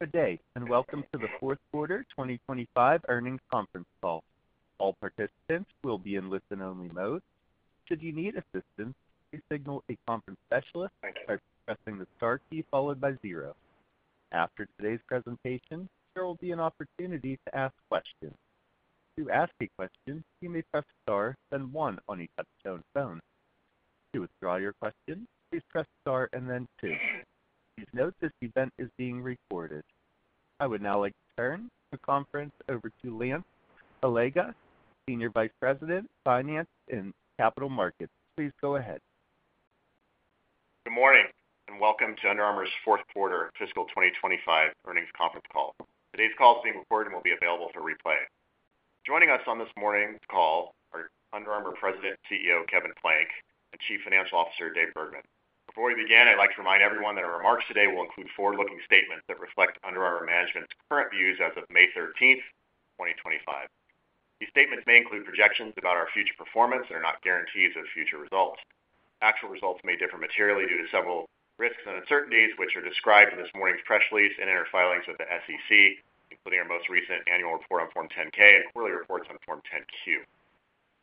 Good day, and welcome to the Fourth Quarter 2025 Earnings Conference Call. All participants will be in listen-only mode. Should you need assistance, please signal a conference specialist by pressing the star key followed by zero. After today's presentation, there will be an opportunity to ask questions. To ask a question, you may press star, then one, on a touchstone phone. To withdraw your question, please press star and then two. Please note this event is being recorded. I would now like to turn the conference over to Lance Allega, Senior Vice President, Finance and Capital Markets. Please go ahead. Good morning and welcome to Under Armour's Fourth Quarter Fiscal 2025 Earnings Conference Call. Today's call is being recorded and will be available for replay. Joining us on this morning's call are Under Armour President and CEO Kevin Plank and Chief Financial Officer Dave Bergman. Before we begin, I'd like to remind everyone that our remarks today will include forward-looking statements that reflect Under Armour management's current views as of May 13th, 2025. These statements may include projections about our future performance and are not guarantees of future results. Actual results may differ materially due to several risks and uncertainties, which are described in this morning's press release and in our filings with the SEC, including our most recent annual report on Form 10-K and quarterly reports on Form 10-Q.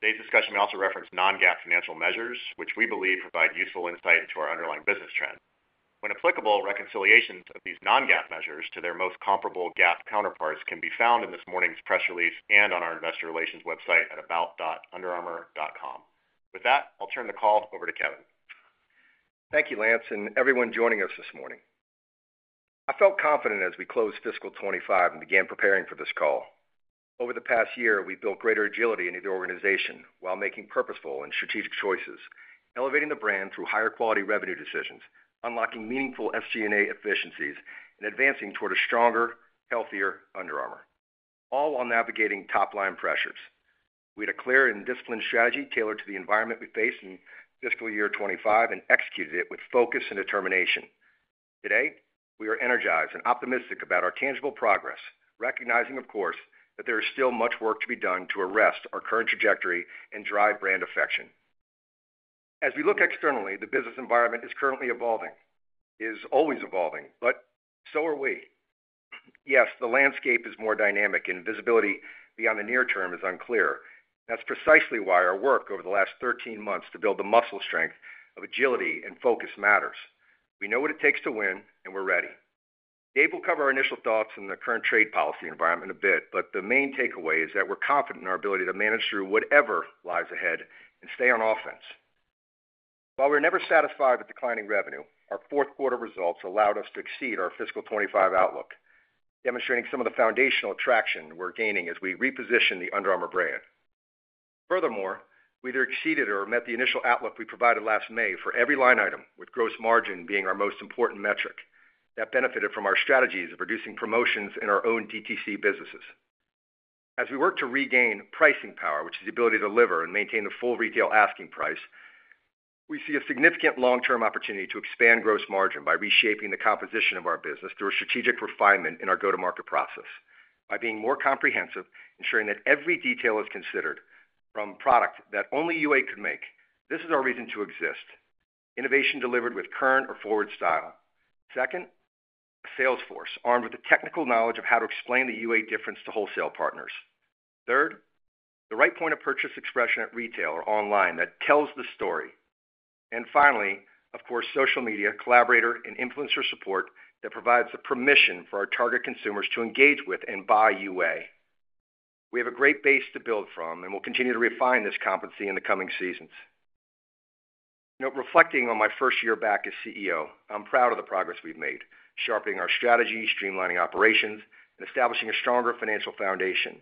Today's discussion may also reference non-GAAP financial measures, which we believe provide useful insight into our underlying business trends. When applicable, reconciliations of these non-GAAP measures to their most comparable GAAP counterparts can be found in this morning's press release and on our investor relations website at about.underarmour.com. With that, I'll turn the call over to Kevin. Thank you, Lance, and everyone joining us this morning. I felt confident as we closed Fiscal 2025 and began preparing for this call. Over the past year, we've built greater agility in the organization while making purposeful and strategic choices, elevating the brand through higher quality revenue decisions, unlocking meaningful SG&A efficiencies, and advancing toward a stronger, healthier Under Armour, all while navigating top-line pressures. We had a clear and disciplined strategy tailored to the environment we faced in Fiscal Year 2025 and executed it with focus and determination. Today, we are energized and optimistic about our tangible progress, recognizing, of course, that there is still much work to be done to arrest our current trajectory and drive brand affection. As we look externally, the business environment is currently evolving. It is always evolving, but so are we. Yes, the landscape is more dynamic, and visibility beyond the near term is unclear. That's precisely why our work over the last 13 months to build the muscle strength of agility and focus matters. We know what it takes to win, and we're ready. Dave will cover our initial thoughts in the current trade policy environment in a bit, but the main takeaway is that we're confident in our ability to manage through whatever lies ahead and stay on offense. While we're never satisfied with declining revenue, our fourth quarter results allowed us to exceed our Fiscal 2025 outlook, demonstrating some of the foundational traction we're gaining as we reposition the Under Armour brand. Furthermore, we either exceeded or met the initial outlook we provided last May for every line item, with gross margin being our most important metric that benefited from our strategies of reducing promotions in our own DTC businesses. As we work to regain pricing power, which is the ability to deliver and maintain the full retail asking price, we see a significant long-term opportunity to expand gross margin by reshaping the composition of our business through a strategic refinement in our go-to-market process by being more comprehensive, ensuring that every detail is considered from product that only UA could make. This is our reason to exist: innovation delivered with current or forward style. Second, a sales force armed with the technical knowledge of how to explain the UA difference to wholesale partners. Third, the right point of purchase expression at retail or online that tells the story. Finally, of course, social media, collaborator, and influencer support that provides the permission for our target consumers to engage with and buy UA. We have a great base to build from, and we'll continue to refine this competency in the coming seasons. Reflecting on my first year back as CEO, I'm proud of the progress we've made, sharpening our strategy, streamlining operations, and establishing a stronger financial foundation.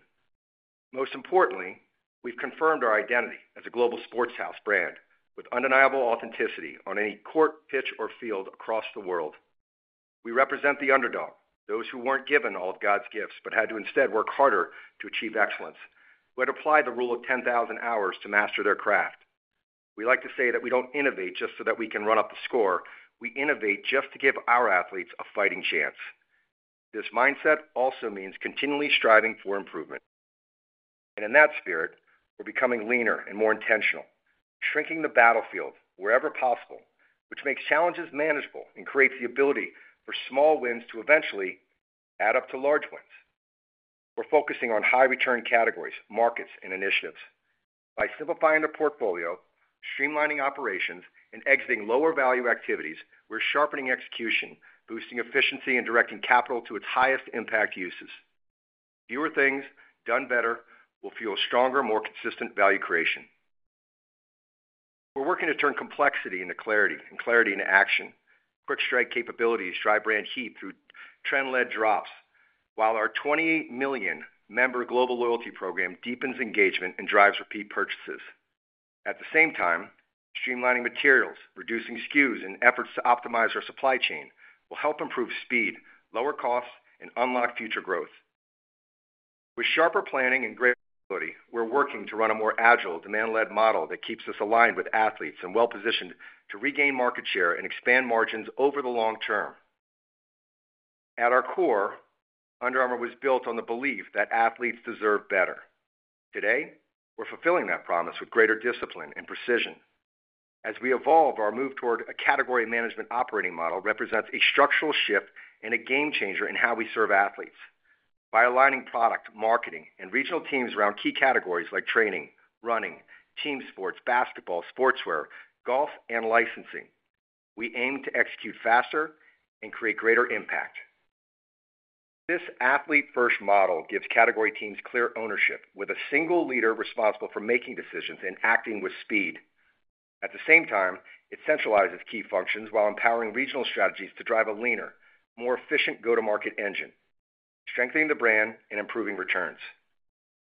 Most importantly, we've confirmed our identity as a global sports house brand with undeniable authenticity on any court, pitch, or field across the world. We represent the underdog, those who weren't given all of God's gifts but had to instead work harder to achieve excellence, who had applied the rule of 10,000 hours to master their craft. We like to say that we don't innovate just so that we can run up the score. We innovate just to give our athletes a fighting chance. This mindset also means continually striving for improvement. In that spirit, we're becoming leaner and more intentional, shrinking the battlefield wherever possible, which makes challenges manageable and creates the ability for small wins to eventually add up to large wins. We're focusing on high-return categories, markets, and initiatives by simplifying the portfolio, streamlining operations, and exiting lower-value activities. We're sharpening execution, boosting efficiency, and directing capital to its highest impact uses. Fewer things done better will fuel stronger, more consistent value creation. We're working to turn complexity into clarity and clarity into action. Quick strike capabilities drive brand heat through trend-led drops, while our 28 million member global loyalty program deepens engagement and drives repeat purchases. At the same time, streamlining materials, reducing SKUs, and efforts to optimize our supply chain will help improve speed, lower costs, and unlock future growth. With sharper planning and greater ability, we're working to run a more agile, demand-led model that keeps us aligned with athletes and well-positioned to regain market share and expand margins over the long term. At our core, Under Armour was built on the belief that athletes deserve better. Today, we're fulfilling that promise with greater discipline and precision. As we evolve, our move toward a category management operating model represents a structural shift and a game changer in how we serve athletes. By aligning product, marketing, and regional teams around key categories like training, running, team sports, basketball, sportswear, golf, and licensing, we aim to execute faster and create greater impact. This athlete-first model gives category teams clear ownership, with a single leader responsible for making decisions and acting with speed. At the same time, it centralizes key functions while empowering regional strategies to drive a leaner, more efficient go-to-market engine, strengthening the brand and improving returns.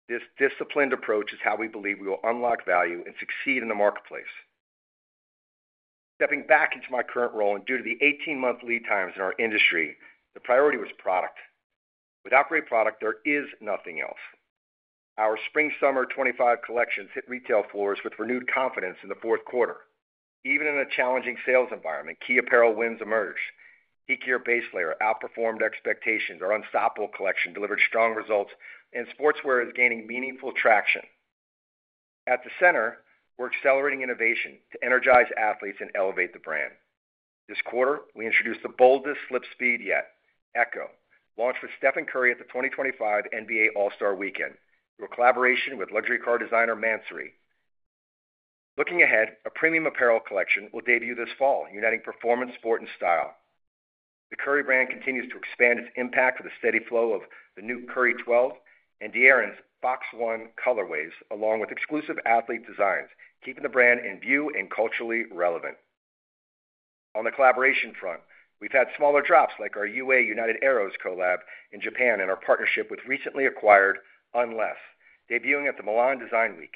This disciplined approach is how we believe we will unlock value and succeed in the marketplace. Stepping back into my current role, and due to the 18-month lead times in our industry, the priority was product. Without great product, there is nothing else. Our spring-summer 2025 collections hit retail floors with renewed confidence in the fourth quarter. Even in a challenging sales environment, key apparel wins emerged. Kiki, your base layer, outperformed expectations. Our Unstoppable Collection delivered strong results, and sportswear is gaining meaningful traction. At the center, we're accelerating innovation to energize athletes and elevate the brand. This quarter, we introduced the boldest slip speed yet, Echo, launched with Stephen Curry at the 2025 NBA All-Star Weekend through a collaboration with luxury car designer Mansory. Looking ahead, a premium apparel collection will debut this fall, uniting performance, sport, and style. The Curry Brand continues to expand its impact with the steady flow of the new Curry 12 and De'Aaron Fox 1colorways, along with exclusive athlete designs, keeping the brand in view and culturally relevant. On the collaboration front, we've had smaller drops like our UA United Arrows collab in Japan and our partnership with recently acquired Unless, debuting at the Milan Design Week.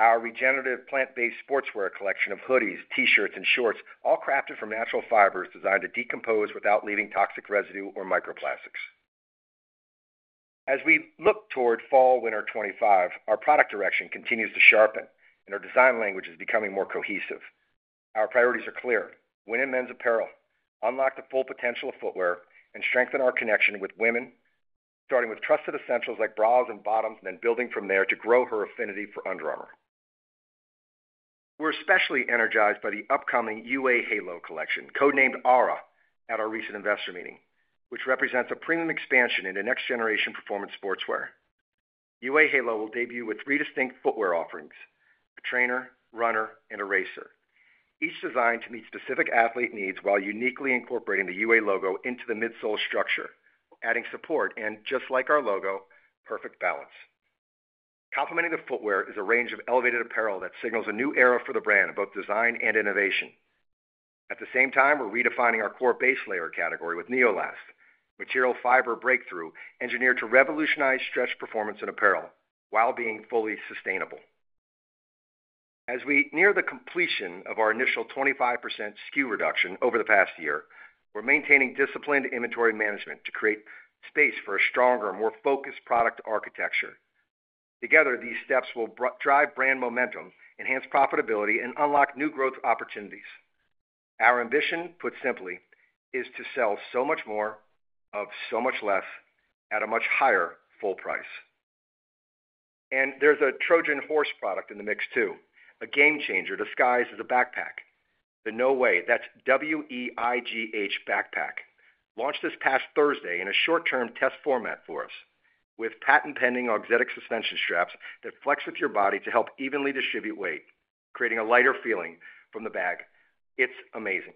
Our regenerative plant-based sportswear collection of hoodies, T-shirts, and shorts, all crafted from natural fibers designed to decompose without leaving toxic residue or microplastics. As we look toward fall/winter 2025, our product direction continues to sharpen, and our design language is becoming more cohesive. Our priorities are clear: win in men's apparel, unlock the full potential of footwear, and strengthen our connection with women, starting with trusted essentials like bras and bottoms, and then building from there to grow her affinity for Under Armour. We're especially energized by the upcoming UA Halo collection, codenamed Aura at our recent investor meeting, which represents a premium expansion into next-generation performance sportswear. UA Halo will debut with three distinct footwear offerings: a trainer, runner, and a racer, each designed to meet specific athlete needs while uniquely incorporating the UA logo into the midsole structure, adding support and, just like our logo, perfect balance. Complementing the footwear is a range of elevated apparel that signals a new era for the brand of both design and innovation. At the same time, we're redefining our core base layer category with Neolast, a material fiber breakthrough engineered to revolutionize stretch performance and apparel while being fully sustainable. As we near the completion of our initial 25% SKU reduction over the past year, we're maintaining disciplined inventory management to create space for a stronger, more focused product architecture. Together, these steps will drive brand momentum, enhance profitability, and unlock new growth opportunities. Our ambition, put simply, is to sell so much more of so much less at a much higher full price. There is a Trojan horse product in the mix too, a game changer disguised as a backpack: the No Weigh, that's W-E-I-G-H backpack, launched this past Thursday in a short-term test format for us with patent-pending auxiliary suspension straps that flex with your body to help evenly distribute weight, creating a lighter feeling from the bag. It's amazing.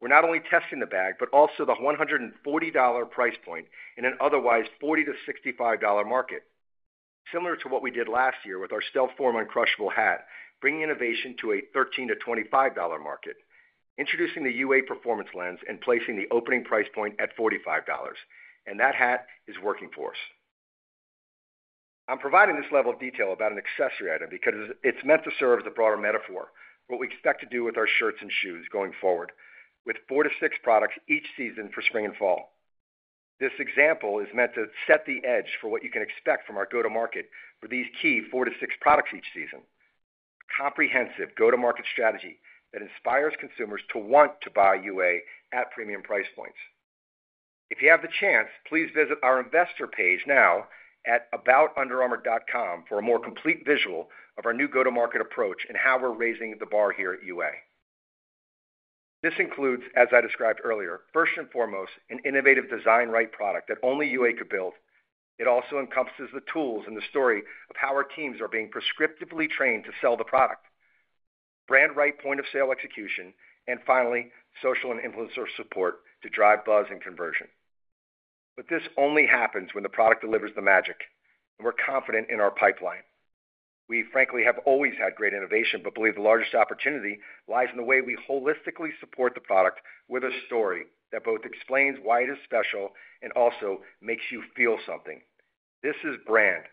We're not only testing the bag, but also the $140 price point in an otherwise $40-$65 market, similar to what we did last year with our StealthForm Uncrushable Hat, bringing innovation to a $13-$25 market, introducing the UA Performance Lens and placing the opening price point at $45. That hat is working for us. I'm providing this level of detail about an accessory item because it's meant to serve as a broader metaphor for what we expect to do with our shirts and shoes going forward, with four to six products each season for spring and fall. This example is meant to set the edge for what you can expect from our go-to-market for these key four to six products each season: a comprehensive go-to-market strategy that inspires consumers to want to buy UA at premium price points. If you have the chance, please visit our investor page now at aboutunderarmour.com for a more complete visual of our new go-to-market approach and how we're raising the bar here at UA. This includes, as I described earlier, first and foremost, an innovative design-right product that only UA could build. It also encompasses the tools and the story of how our teams are being prescriptively trained to sell the product, brand-right point of sale execution, and finally, social and influencer support to drive buzz and conversion. This only happens when the product delivers the magic, and we're confident in our pipeline. We, frankly, have always had great innovation, but believe the largest opportunity lies in the way we holistically support the product with a story that both explains why it is special and also makes you feel something. This is brand,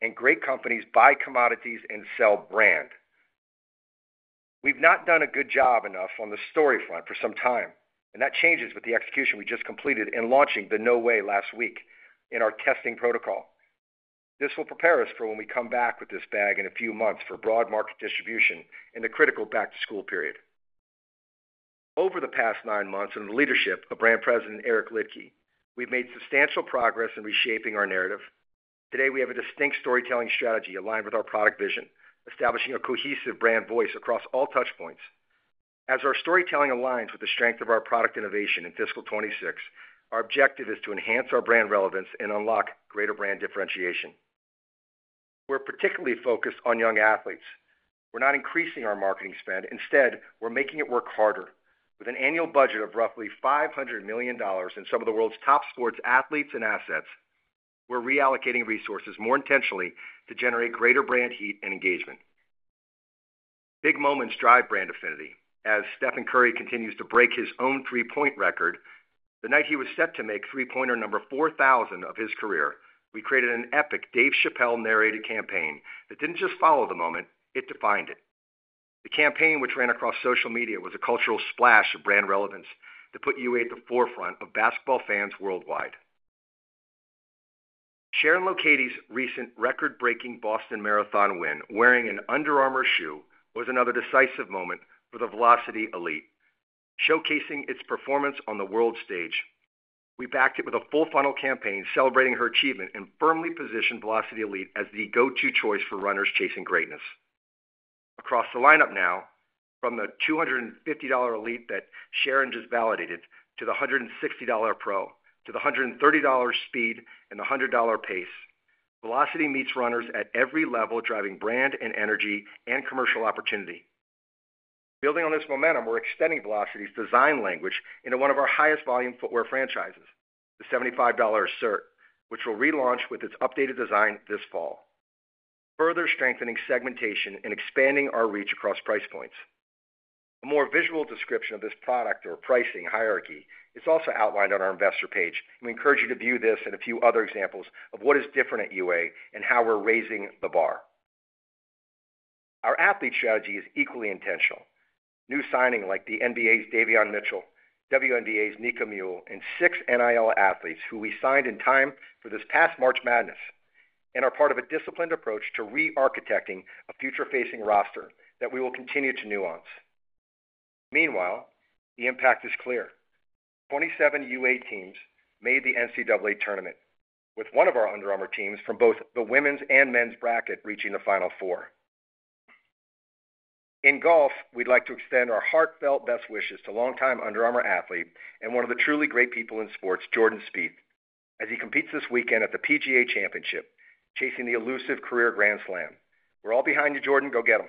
and great companies buy commodities and sell brand. We've not done a good job enough on the story front for some time, and that changes with the execution we just completed in launching the No Weigh last week in our testing protocol. This will prepare us for when we come back with this bag in a few months for broad market distribution in the critical back-to-school period. Over the past nine months, under the leadership of Brand President Eric Liedtke, we've made substantial progress in reshaping our narrative. Today, we have a distinct storytelling strategy aligned with our product vision, establishing a cohesive brand voice across all touchpoints. As our storytelling aligns with the strength of our product innovation in fiscal 2026, our objective is to enhance our brand relevance and unlock greater brand differentiation. We're particularly focused on young athletes. We're not increasing our marketing spend. Instead, we're making it work harder. With an annual budget of roughly $500 million and some of the world's top sports athletes and assets, we're reallocating resources more intentionally to generate greater brand heat and engagement. Big moments drive brand affinity. As Stephen Curry continues to break his own three-point record, the night he was set to make three-pointer number 4,000 of his career, we created an epic Dave Chappelle-narrated campaign that didn't just follow the moment, it defined it. The campaign, which ran across social media, was a cultural splash of brand relevance that put UA at the forefront of basketball fans worldwide. Sharon Lokedi's recent record-breaking Boston Marathon win wearing an Under Armour shoe was another decisive moment for the Velocity Elite, showcasing its performance on the world stage. We backed it with a full-funnel campaign celebrating her achievement and firmly positioned Velocity Elite as the go-to choice for runners chasing greatness. Across the lineup now, from the $250 Elite that Sharon just validated to the $160 Pro, to the $130 Speed and the $100 Pace, Velocity meets runners at every level, driving brand and energy and commercial opportunity. Building on this momentum, we're extending Velocity's design language into one of our highest-volume footwear franchises, the $75 Cert, which will relaunch with its updated design this fall, further strengthening segmentation and expanding our reach across price points. A more visual description of this product or pricing hierarchy is also outlined on our investor page. We encourage you to view this and a few other examples of what is different at UA and how we're raising the bar. Our athlete strategy is equally intentional. New signings like the NBA's Davion Mitchell, WNBA's Nika Mühl, and six NIL athletes who we signed in time for this past March Madness and are part of a disciplined approach to re-architecting a future-facing roster that we will continue to nuance. Meanwhile, the impact is clear. Twenty-seven UA teams made the NCAA tournament, with one of our Under Armour teams from both the women's and men's bracket reaching the Final Four. In golf, we'd like to extend our heartfelt best wishes to longtime Under Armour athlete and one of the truly great people in sports, Jordan Spieth, as he competes this weekend at the PGA Championship, chasing the elusive career Grand Slam. We're all behind you, Jordan. Go get them.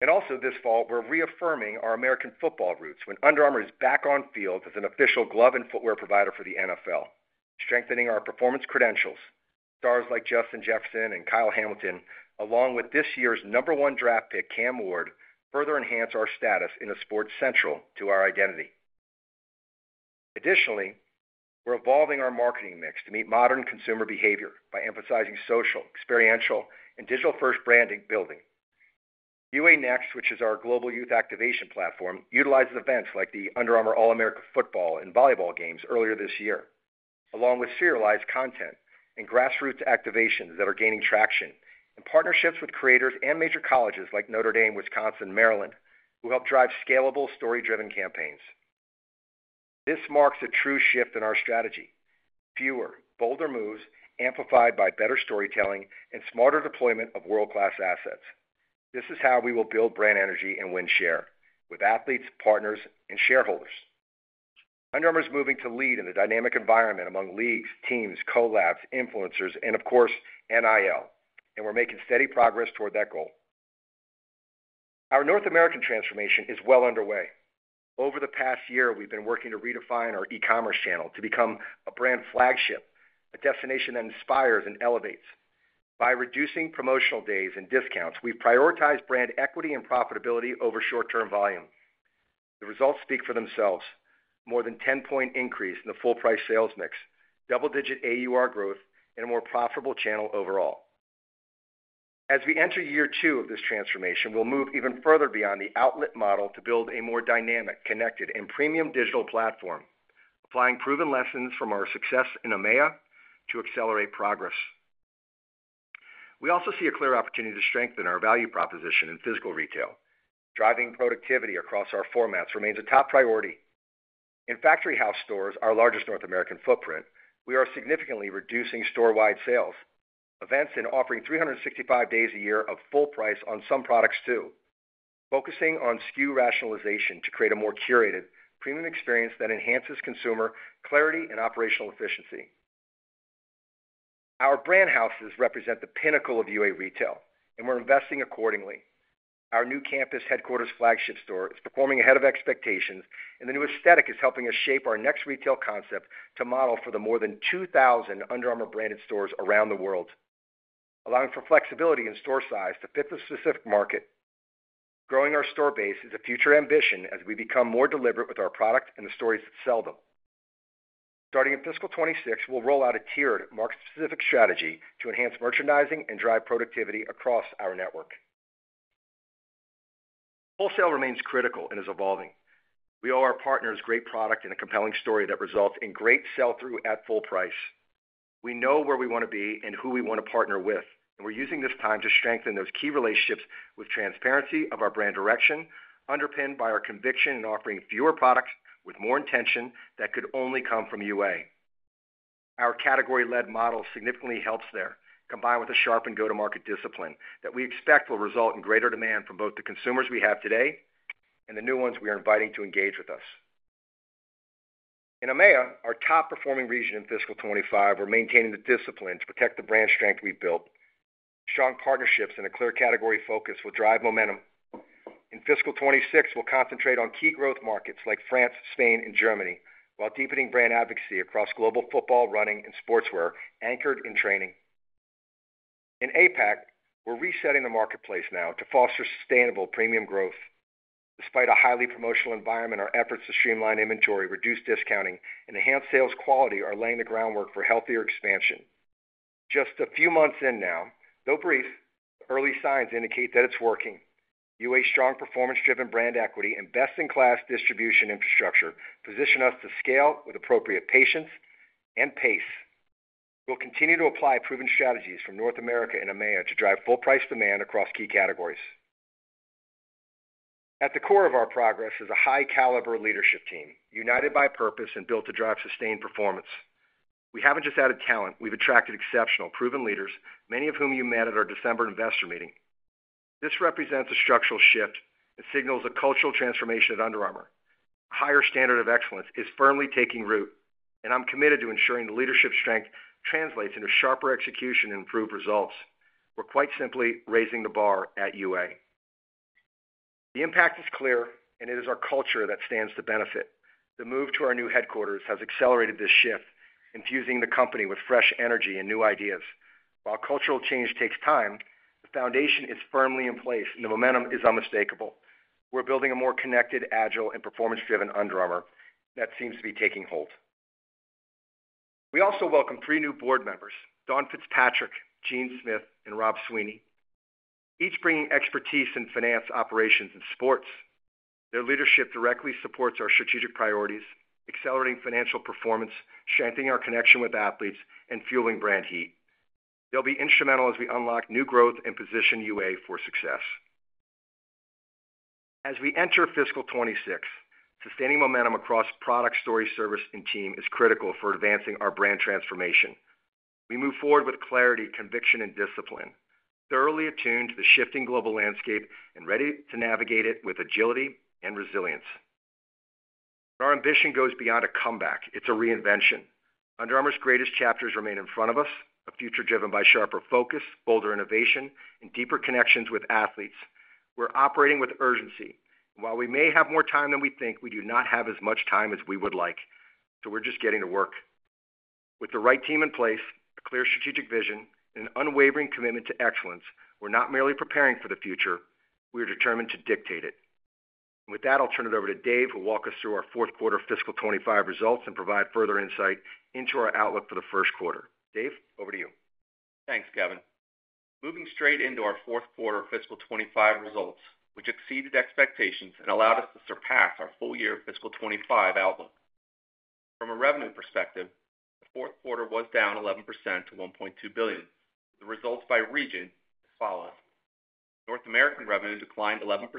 This fall, we're reaffirming our American football roots when Under Armour is back on field as an official glove and footwear provider for the NFL, strengthening our performance credentials. Stars like Justin Jefferson and Kyle Hamilton, along with this year's number one draft pick, Cam Ward, further enhance our status in a sport central to our identity. Additionally, we're evolving our marketing mix to meet modern consumer behavior by emphasizing social, experiential, and digital-first branding building. UA Next, which is our global youth activation platform, utilizes events like the Under Armour All-America Football and Volleyball Games earlier this year, along with serialized content and grassroots activations that are gaining traction and partnerships with creators and major colleges like Notre Dame, Wisconsin, Maryland, who help drive scalable, story-driven campaigns. This marks a true shift in our strategy: fewer, bolder moves amplified by better storytelling and smarter deployment of world-class assets. This is how we will build brand energy and win share with athletes, partners, and shareholders. Under Armour is moving to lead in the dynamic environment among leagues, teams, collabs, influencers, and, of course, NIL, and we're making steady progress toward that goal. Our North American transformation is well underway. Over the past year, we've been working to redefine our e-commerce channel to become a brand flagship, a destination that inspires and elevates. By reducing promotional days and discounts, we've prioritized brand equity and profitability over short-term volume. The results speak for themselves: more than a 10-point increase in the full-price sales mix, double-digit AUR growth, and a more profitable channel overall. As we enter year two of this transformation, we'll move even further beyond the outlet model to build a more dynamic, connected, and premium digital platform, applying proven lessons from our success in EMEA to accelerate progress. We also see a clear opportunity to strengthen our value proposition in physical retail. Driving productivity across our formats remains a top priority. In Factory House stores, our largest North American footprint, we are significantly reducing store-wide sales, events, and offering 365 days a year of full price on some products too, focusing on SKU rationalization to create a more curated, premium experience that enhances consumer clarity and operational efficiency. Our Brand Houses represent the pinnacle of UA retail, and we're investing accordingly. Our new campus headquarters flagship store is performing ahead of expectations, and the new aesthetic is helping us shape our next retail concept to model for the more than 2,000 Under Armour branded stores around the world, allowing for flexibility in store size to fit the specific market. Growing our store base is a future ambition as we become more deliberate with our product and the stories that sell them. Starting in fiscal 2026, we'll roll out a tiered, market-specific strategy to enhance merchandising and drive productivity across our network. Wholesale remains critical and is evolving. We owe our partners great product and a compelling story that results in great sell-through at full price. We know where we want to be and who we want to partner with, and we're using this time to strengthen those key relationships with transparency of our brand direction, underpinned by our conviction in offering fewer products with more intention that could only come from UA. Our category-led model significantly helps there, combined with a sharpened go-to-market discipline that we expect will result in greater demand from both the consumers we have today and the new ones we are inviting to engage with us. In EMEA, our top-performing region in fiscal 2025, we're maintaining the discipline to protect the brand strength we've built. Strong partnerships and a clear category focus will drive momentum. In fiscal 2026, we'll concentrate on key growth markets like France, Spain, and Germany while deepening brand advocacy across global football, running, and sportswear anchored in training. In APAC, we're resetting the marketplace now to foster sustainable premium growth. Despite a highly promotional environment, our efforts to streamline inventory, reduce discounting, and enhance sales quality are laying the groundwork for healthier expansion. Just a few months in now, though brief, early signs indicate that it's working. UA's strong performance-driven brand equity and best-in-class distribution infrastructure position us to scale with appropriate patience and pace. We'll continue to apply proven strategies from North America and EMEA to drive full-price demand across key categories. At the core of our progress is a high-caliber leadership team, united by purpose and built to drive sustained performance. We haven't just added talent; we've attracted exceptional, proven leaders, many of whom you met at our December investor meeting. This represents a structural shift that signals a cultural transformation at Under Armour. A higher standard of excellence is firmly taking root, and I'm committed to ensuring the leadership strength translates into sharper execution and improved results. We're quite simply raising the bar at UA. The impact is clear, and it is our culture that stands to benefit. The move to our new headquarters has accelerated this shift, infusing the company with fresh energy and new ideas. While cultural change takes time, the foundation is firmly in place, and the momentum is unmistakable. We're building a more connected, agile, and performance-driven Under Armour that seems to be taking hold. We also welcome three new board members: Dawn Fitzpatrick, Gene Smith, and Rob Sweeney, each bringing expertise in finance, operations, and sports. Their leadership directly supports our strategic priorities, accelerating financial performance, strengthening our connection with athletes, and fueling brand heat. They'll be instrumental as we unlock new growth and position UA for success. As we enter fiscal 2026, sustaining momentum across product, story, service, and team is critical for advancing our brand transformation. We move forward with clarity, conviction, and discipline, thoroughly attuned to the shifting global landscape and ready to navigate it with agility and resilience. Our ambition goes beyond a comeback; it is a reinvention. Under Armour's greatest chapters remain in front of us, a future driven by sharper focus, bolder innovation, and deeper connections with athletes. We are operating with urgency. While we may have more time than we think, we do not have as much time as we would like, so we are just getting to work. With the right team in place, a clear strategic vision, and an unwavering commitment to excellence, we are not merely preparing for the future; we are determined to dictate it. With that, I'll turn it over to Dave, who will walk us through our fourth quarter fiscal 2025 results and provide further insight into our outlook for the first quarter. Dave, over to you. Thanks, Kevin. Moving straight into our fourth quarter fiscal 2025 results, which exceeded expectations and allowed us to surpass our full-year fiscal 2025 outlook. From a revenue perspective, the fourth quarter was down 11% to $1.2 billion. The results by region are as follows. North American revenue declined 11%,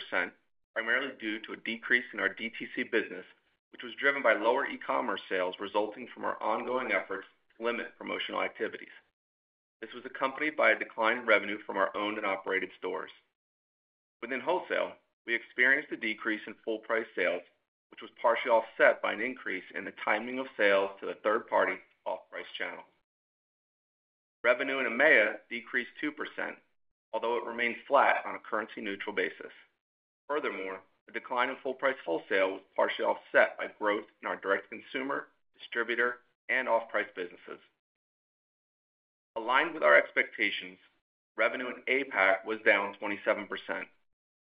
primarily due to a decrease in our DTC business, which was driven by lower e-commerce sales resulting from our ongoing efforts to limit promotional activities. This was accompanied by a decline in revenue from our owned and operated stores. Within wholesale, we experienced a decrease in full-price sales, which was partially offset by an increase in the timing of sales to the third-party off-price channel. Revenue in EMEA decreased 2%, although it remained flat on a currency-neutral basis. Furthermore, the decline in full-price wholesale was partially offset by growth in our direct-to-consumer, distributor, and off-price businesses. Aligned with our expectations, revenue in APAC was down 27%,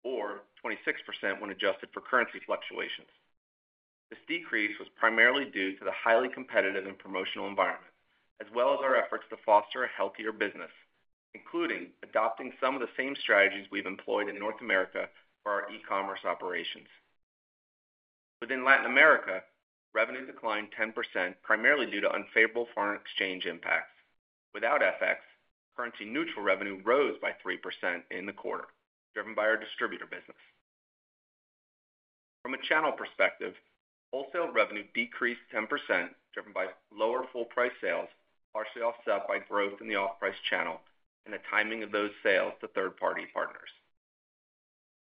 or 26% when adjusted for currency fluctuations. This decrease was primarily due to the highly competitive and promotional environment, as well as our efforts to foster a healthier business, including adopting some of the same strategies we have employed in North America for our e-commerce operations. Within Latin America, revenue declined 10%, primarily due to unfavorable foreign exchange impacts. Without FX, currency-neutral revenue rose by 3% in the quarter, driven by our distributor business. From a channel perspective, wholesale revenue decreased 10%, driven by lower full-price sales, partially offset by growth in the off-price channel and the timing of those sales to third-party partners.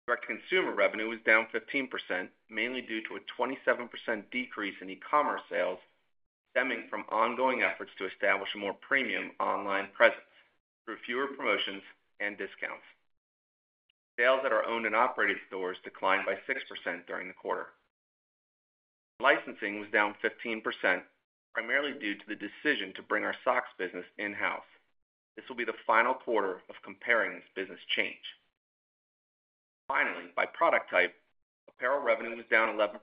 Direct-to-consumer revenue was down 15%, mainly due to a 27% decrease in e-commerce sales, stemming from ongoing efforts to establish a more premium online presence through fewer promotions and discounts. Sales at our owned and operated stores declined by 6% during the quarter. Licensing was down 15%, primarily due to the decision to bring our socks business in-house. This will be the final quarter of comparing this business change. Finally, by product type, apparel revenue was down 11%,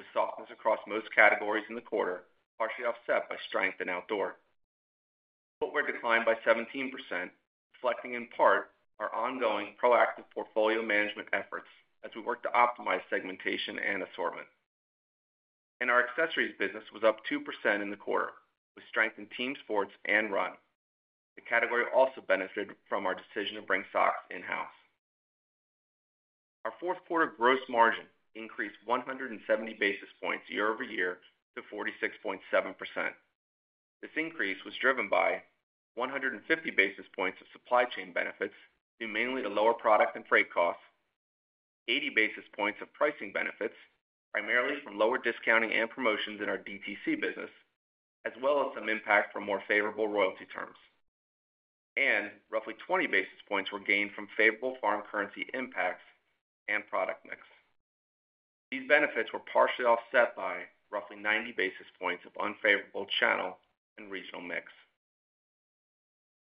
with softness across most categories in the quarter, partially offset by strength in outdoor. Footwear declined by 17%, reflecting in part our ongoing proactive portfolio management efforts as we work to optimize segmentation and assortment. Our accessories business was up 2% in the quarter, with strength in team sports and run. The category also benefited from our decision to bring socks in-house. Our fourth quarter gross margin increased 170 basis points year over year to 46.7%. This increase was driven by 150 basis points of supply chain benefits, mainly due to lower product and freight costs, 80 basis points of pricing benefits, primarily from lower discounting and promotions in our DTC business, as well as some impact from more favorable royalty terms. Roughly 20 basis points were gained from favorable foreign currency impacts and product mix. These benefits were partially offset by roughly 90 basis points of unfavorable channel and regional mix.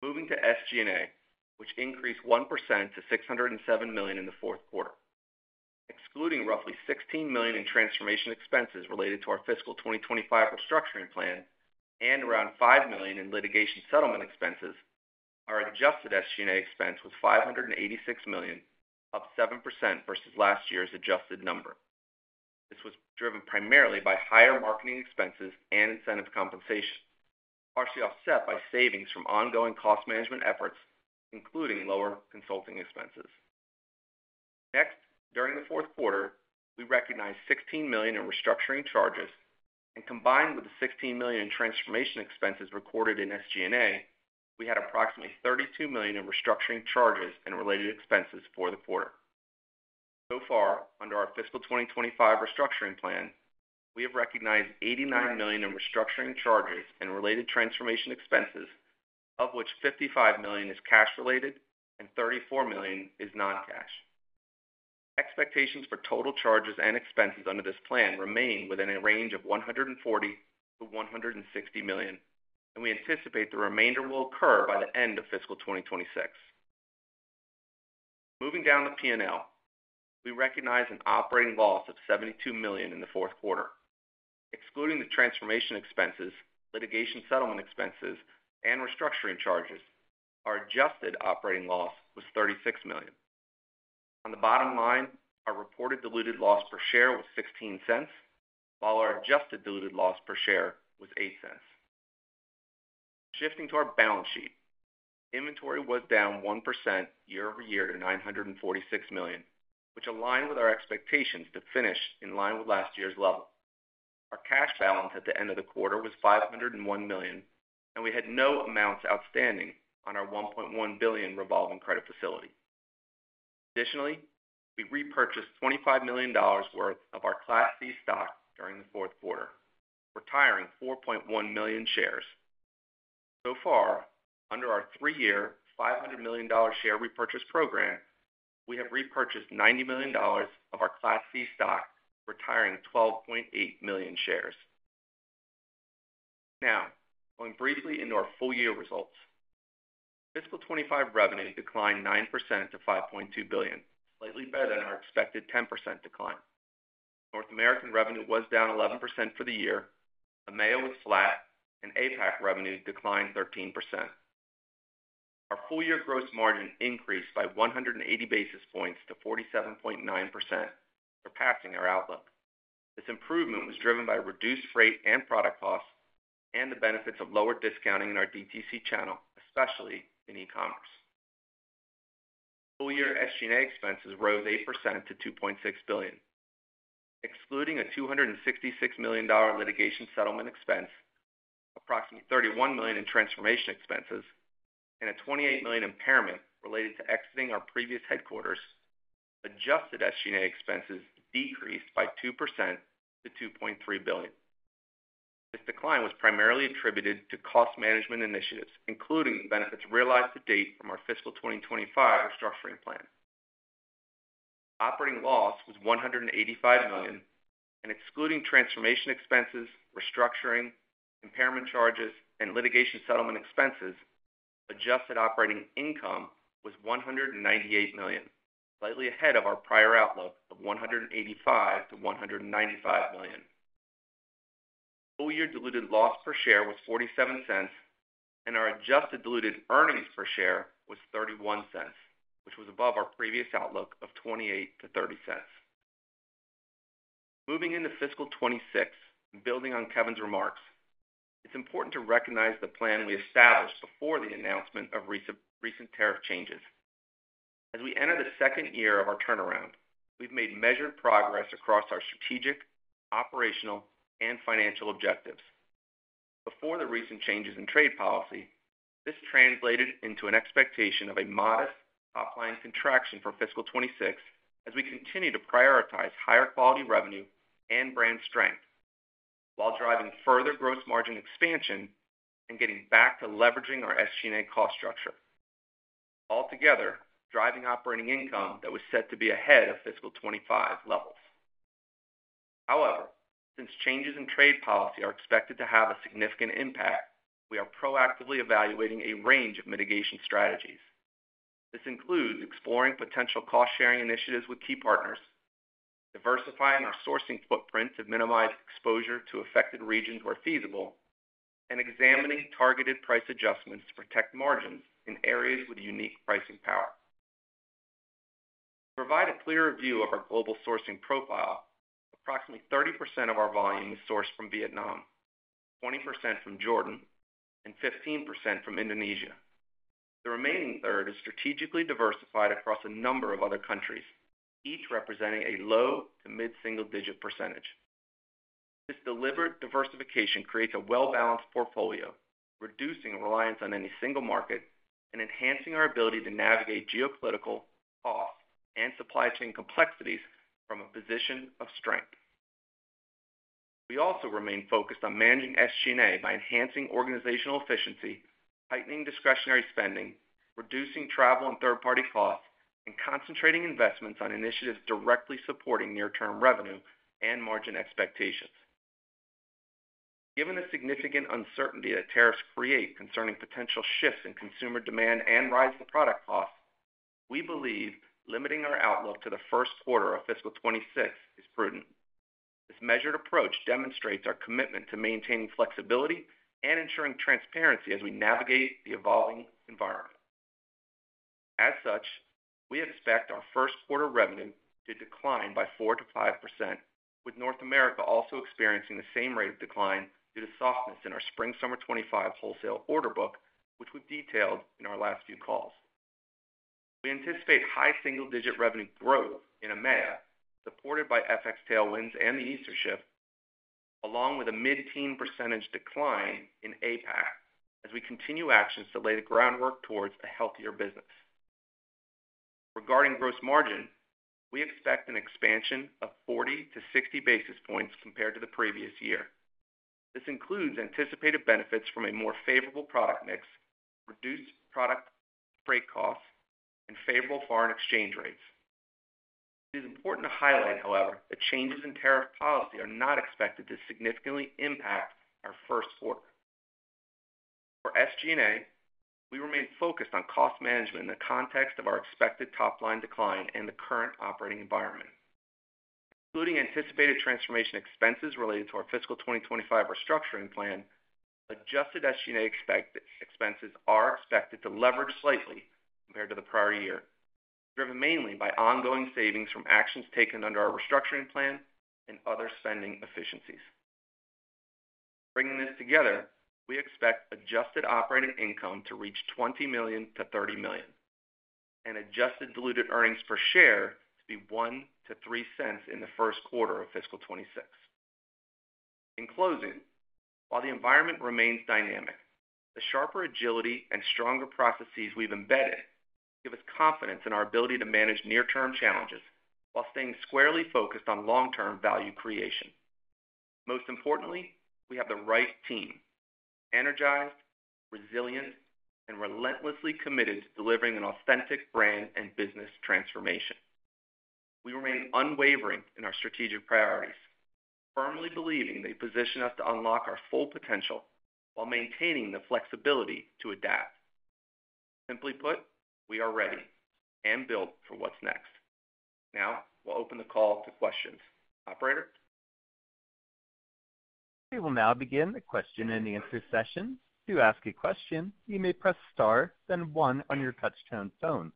Moving to SG&A, which increased 1% to $607 million in the fourth quarter. Excluding roughly $16 million in transformation expenses related to our fiscal 2025 restructuring plan and around $5 million in litigation settlement expenses, our adjusted SG&A expense was $586 million, up 7% versus last year's adjusted number. This was driven primarily by higher marketing expenses and incentive compensation, partially offset by savings from ongoing cost management efforts, including lower consulting expenses. Next, during the fourth quarter, we recognized $16 million in restructuring charges, and combined with the $16 million in transformation expenses recorded in SG&A, we had approximately $32 million in restructuring charges and related expenses for the quarter. So far, under our fiscal 2025 restructuring plan, we have recognized $89 million in restructuring charges and related transformation expenses, of which $55 million is cash-related and $34 million is non-cash. Expectations for total charges and expenses under this plan remain within a range of $140-$160 million, and we anticipate the remainder will occur by the end of fiscal 2026. Moving down the P&L, we recognize an operating loss of $72 million in the fourth quarter. Excluding the transformation expenses, litigation settlement expenses, and restructuring charges, our adjusted operating loss was $36 million. On the bottom line, our reported diluted loss per share was $0.16, while our adjusted diluted loss per share was $0.08. Shifting to our balance sheet, inventory was down 1% year over year to $946 million, which aligned with our expectations to finish in line with last year's level. Our cash balance at the end of the quarter was $501 million, and we had no amounts outstanding on our $1.1 billion revolving credit facility. Additionally, we repurchased $25 million worth of our Class C stock during the fourth quarter, retiring 4.1 million shares. So far, under our three-year $500 million share repurchase program, we have repurchased $90 million of our Class C stock, retiring 12.8 million shares. Now, going briefly into our full-year results, fiscal 2025 revenue declined 9% to $5.2 billion, slightly better than our expected 10% decline. North American revenue was down 11% for the year. EMEA was flat, and APAC revenue declined 13%. Our full-year gross margin increased by 180 basis points to 47.9%, surpassing our outlook. This improvement was driven by reduced freight and product costs and the benefits of lower discounting in our DTC channel, especially in e-commerce. Full-year SG&A expenses rose 8% to $2.6 billion. Excluding a $266 million litigation settlement expense, approximately $31 million in transformation expenses, and a $28 million impairment related to exiting our previous headquarters, adjusted SG&A expenses decreased by 2% to $2.3 billion. This decline was primarily attributed to cost management initiatives, including the benefits realized to date from our fiscal 2025 restructuring plan. Operating loss was $185 million, and excluding transformation expenses, restructuring, impairment charges, and litigation settlement expenses, adjusted operating income was $198 million, slightly ahead of our prior outlook of $185-$195 million. Full-year diluted loss per share was $0.47, and our adjusted diluted earnings per share was $0.31, which was above our previous outlook of $0.28-$0.30. Moving into fiscal 2026, building on Kevin's remarks, it's important to recognize the plan we established before the announcement of recent tariff changes. As we enter the second year of our turnaround, we've made measured progress across our strategic, operational, and financial objectives. Before the recent changes in trade policy, this translated into an expectation of a modest top-line contraction for fiscal 2026, as we continue to prioritize higher quality revenue and brand strength while driving further gross margin expansion and getting back to leveraging our SG&A cost structure. Altogether, driving operating income that was set to be ahead of fiscal 2025 levels. However, since changes in trade policy are expected to have a significant impact, we are proactively evaluating a range of mitigation strategies. This includes exploring potential cost-sharing initiatives with key partners, diversifying our sourcing footprint to minimize exposure to affected regions where feasible, and examining targeted price adjustments to protect margins in areas with unique pricing power. To provide a clearer view of our global sourcing profile, approximately 30% of our volume is sourced from Vietnam, 20% from Jordan, and 15% from Indonesia. The remaining third is strategically diversified across a number of other countries, each representing a low to mid-single-digit %. This deliberate diversification creates a well-balanced portfolio, reducing reliance on any single market and enhancing our ability to navigate geopolitical, cost, and supply chain complexities from a position of strength. We also remain focused on managing SG&A by enhancing organizational efficiency, tightening discretionary spending, reducing travel and third-party costs, and concentrating investments on initiatives directly supporting near-term revenue and margin expectations. Given the significant uncertainty that tariffs create concerning potential shifts in consumer demand and rise in product costs, we believe limiting our outlook to the first quarter of fiscal 2026 is prudent. This measured approach demonstrates our commitment to maintaining flexibility and ensuring transparency as we navigate the evolving environment. As such, we expect our first quarter revenue to decline by 4-5%, with North America also experiencing the same rate of decline due to softness in our spring-summer 2025 wholesale order book, which we have detailed in our last few calls. We anticipate high single-digit revenue growth in EMEA, supported by FX tailwinds and the Easter shift, along with a mid-teen percentage decline in APAC as we continue actions to lay the groundwork towards a healthier business. Regarding gross margin, we expect an expansion of 40-60 basis points compared to the previous year. This includes anticipated benefits from a more favorable product mix, reduced product freight costs, and favorable foreign exchange rates. It is important to highlight, however, that changes in tariff policy are not expected to significantly impact our first quarter. For SG&A, we remain focused on cost management in the context of our expected top-line decline and the current operating environment. Including anticipated transformation expenses related to our fiscal 2025 restructuring plan, adjusted SG&A expenses are expected to leverage slightly compared to the prior year, driven mainly by ongoing savings from actions taken under our restructuring plan and other spending efficiencies. Bringing this together, we expect adjusted operating income to reach $20 million-$30 million, and adjusted diluted earnings per share to be $0.01-$0.03 in the first quarter of fiscal 2026. In closing, while the environment remains dynamic, the sharper agility and stronger processes we've embedded give us confidence in our ability to manage near-term challenges while staying squarely focused on long-term value creation. Most importantly, we have the right team: energized, resilient, and relentlessly committed to delivering an authentic brand and business transformation. We remain unwavering in our strategic priorities, firmly believing they position us to unlock our full potential while maintaining the flexibility to adapt. Simply put, we are ready and built for what's next. Now, we'll open the call to questions. Operator? We will now begin the question and answer session. To ask a question, you may press Star, then 1 on your touch-tone phone.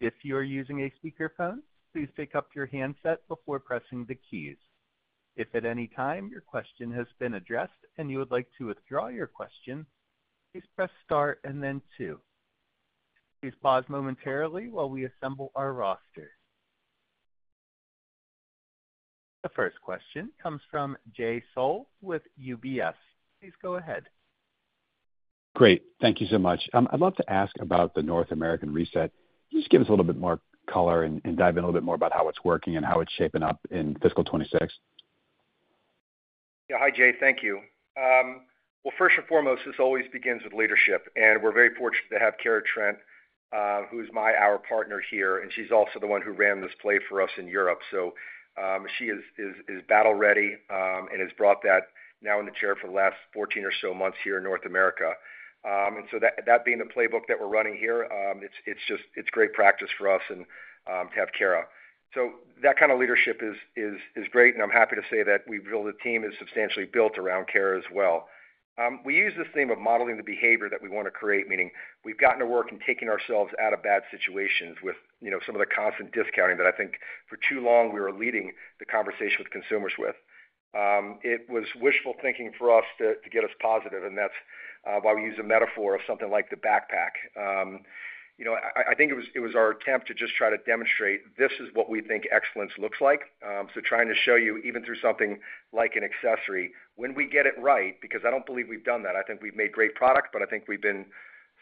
If you are using a speakerphone, please pick up your handset before pressing the keys. If at any time your question has been addressed and you would like to withdraw your question, please press Star and then 2. Please pause momentarily while we assemble our roster. The first question comes from Jay Sole with UBS. Please go ahead. Great. Thank you so much. I'd love to ask about the North American reset. Can you just give us a little bit more color and dive in a little bit more about how it's working and how it's shaping up in fiscal 2026? Yeah. Hi, Jay. Thank you. First and foremost, this always begins with leadership, and we're very fortunate to have Kara Trent, who is our partner here, and she's also the one who ran this play for us in Europe. She is battle-ready and has brought that now in the chair for the last 14 or so months here in North America. That being the playbook that we're running here, it's great practice for us to have Kara. That kind of leadership is great, and I'm happy to say that the team is substantially built around Kara as well. We use this theme of modeling the behavior that we want to create, meaning we've gotten to work in taking ourselves out of bad situations with some of the constant discounting that I think for too long we were leading the conversation with consumers with. It was wishful thinking for us to get us positive, and that's why we use a metaphor of something like the backpack. I think it was our attempt to just try to demonstrate this is what we think excellence looks like. Trying to show you even through something like an accessory, when we get it right, because I don't believe we've done that. I think we've made great product, but I think we've been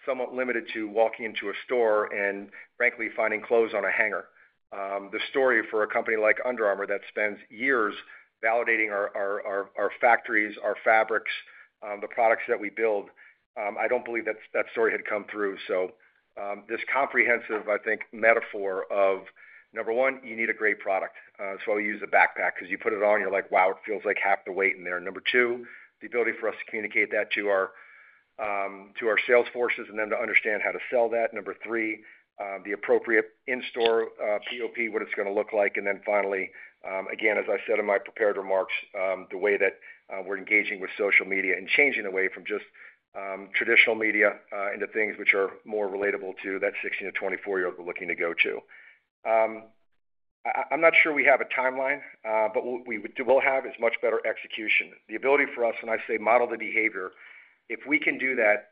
somewhat limited to walking into a store and, frankly, finding clothes on a hanger. The story for a company like Under Armour that spends years validating our factories, our fabrics, the products that we build, I do not believe that that story had come through. This comprehensive, I think, metaphor of, number one, you need a great product. That is why we use the backpack, because you put it on, you are like, "Wow, it feels like half the weight in there." Number two, the ability for us to communicate that to our sales forces and then to understand how to sell that. Number three, the appropriate in-store POP, what it is going to look like. Finally, again, as I said in my prepared remarks, the way that we are engaging with social media and changing away from just traditional media into things which are more relatable to that 16- to 24-year-old we are looking to go to. I'm not sure we have a timeline, but we will have much better execution. The ability for us, when I say model the behavior, if we can do that,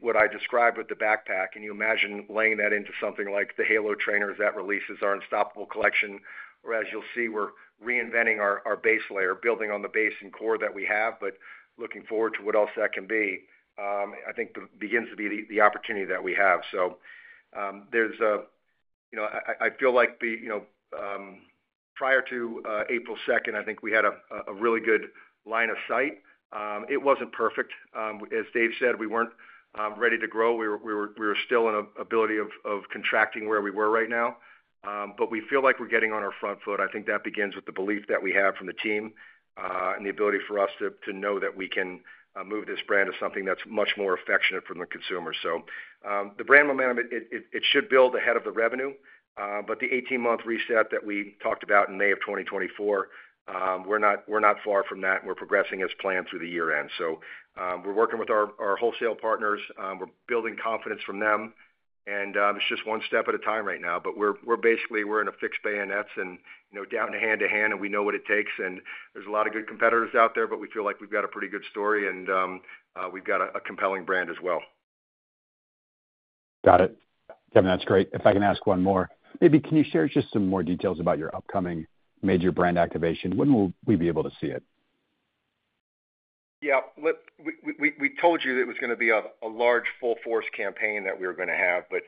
what I described with the backpack, and you imagine laying that into something like the Halo trainers that releases our Unstoppable Collection, whereas you'll see we're reinventing our base layer, building on the base and core that we have, but looking forward to what else that can be, I think begins to be the opportunity that we have. I feel like prior to April 2nd, I think we had a really good line of sight. It wasn't perfect. As Dave said, we weren't ready to grow. We were still in an ability of contracting where we were right now, but we feel like we're getting on our front foot. I think that begins with the belief that we have from the team and the ability for us to know that we can move this brand to something that's much more affectionate from the consumers. The brand momentum, it should build ahead of the revenue, but the 18-month reset that we talked about in May of 2024, we're not far from that, and we're progressing as planned through the year end. We're working with our wholesale partners. We're building confidence from them, and it's just one step at a time right now, but we're basically in a fixed bayonets and down to hand-to-hand, and we know what it takes. There's a lot of good competitors out there, but we feel like we've got a pretty good story, and we've got a compelling brand as well. Got it. Kevin, that's great. If I can ask one more, maybe can you share just some more details about your upcoming major brand activation? When will we be able to see it? Yeah. We told you that it was going to be a large full-force campaign that we were going to have, but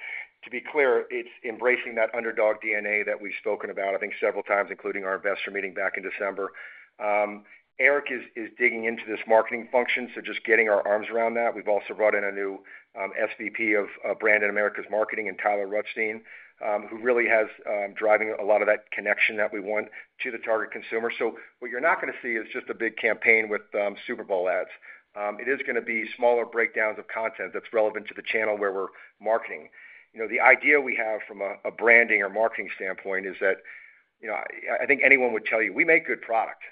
to be clear, it's embracing that underdog DNA that we've spoken about, I think, several times, including our investor meeting back in December. Eric is digging into this marketing function, so just getting our arms around that. We've also brought in a new SVP of Branded America's Marketing and Tyler Rutstein, who really has driven a lot of that connection that we want to the target consumer. What you're not going to see is just a big campaign with Super Bowl ads. It is going to be smaller breakdowns of content that's relevant to the channel where we're marketing. The idea we have from a branding or marketing standpoint is that I think anyone would tell you, "We make good product."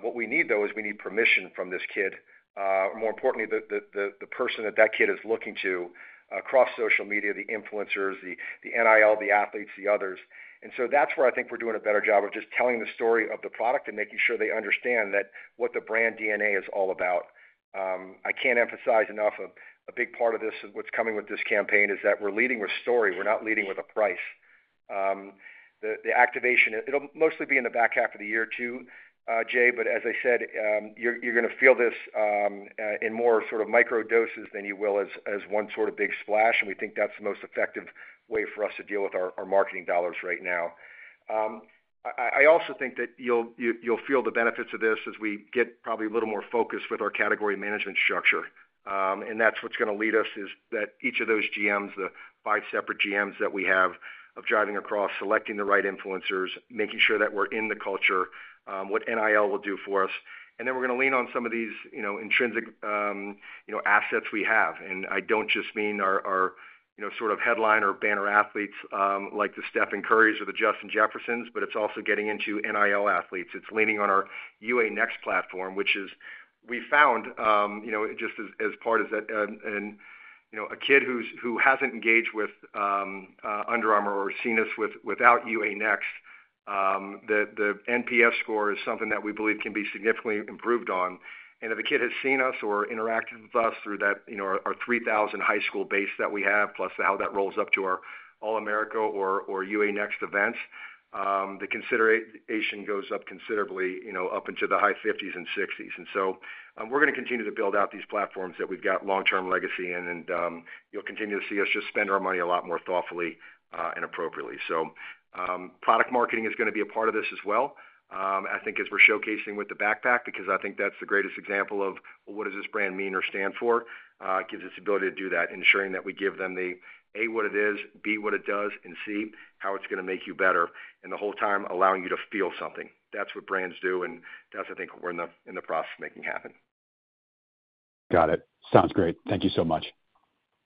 What we need, though, is we need permission from this kid, or more importantly, the person that that kid is looking to across social media, the influencers, the NIL, the athletes, the others. That is where I think we are doing a better job of just telling the story of the product and making sure they understand what the brand DNA is all about. I cannot emphasize enough a big part of this and what is coming with this campaign is that we are leading with story. We are not leading with a price. The activation, it'll mostly be in the back half of the year too, Jay, but as I said, you're going to feel this in more sort of micro doses than you will as one sort of big splash, and we think that's the most effective way for us to deal with our marketing dollars right now. I also think that you'll feel the benefits of this as we get probably a little more focused with our category management structure. That's what's going to lead us is that each of those GMs, the five separate GMs that we have, of driving across, selecting the right influencers, making sure that we're in the culture, what NIL will do for us. We're going to lean on some of these intrinsic assets we have. I do not just mean our sort of headline or banner athletes like the Stephen Currys or the Justin Jeffersons, but it is also getting into NIL athletes. It is leaning on our UA Next platform, which is we found just as part of that. A kid who has not engaged with Under Armour or seen us without UA Next, the NPS score is something that we believe can be significantly improved on. If a kid has seen us or interacted with us through our 3,000 high school base that we have, plus how that rolls up to our All-America or UA Next events, the consideration goes up considerably up into the high 50s and 60s. We are going to continue to build out these platforms that we have got long-term legacy in, and you will continue to see us just spend our money a lot more thoughtfully and appropriately. Product marketing is going to be a part of this as well, I think, as we're showcasing with the backpack, because I think that's the greatest example of, well, what does this brand mean or stand for? It gives us the ability to do that, ensuring that we give them the A, what it is, B, what it does, and C, how it's going to make you better, and the whole time allowing you to feel something. That's what brands do, and that's, I think, we're in the process of making happen. Got it. Sounds great. Thank you so much.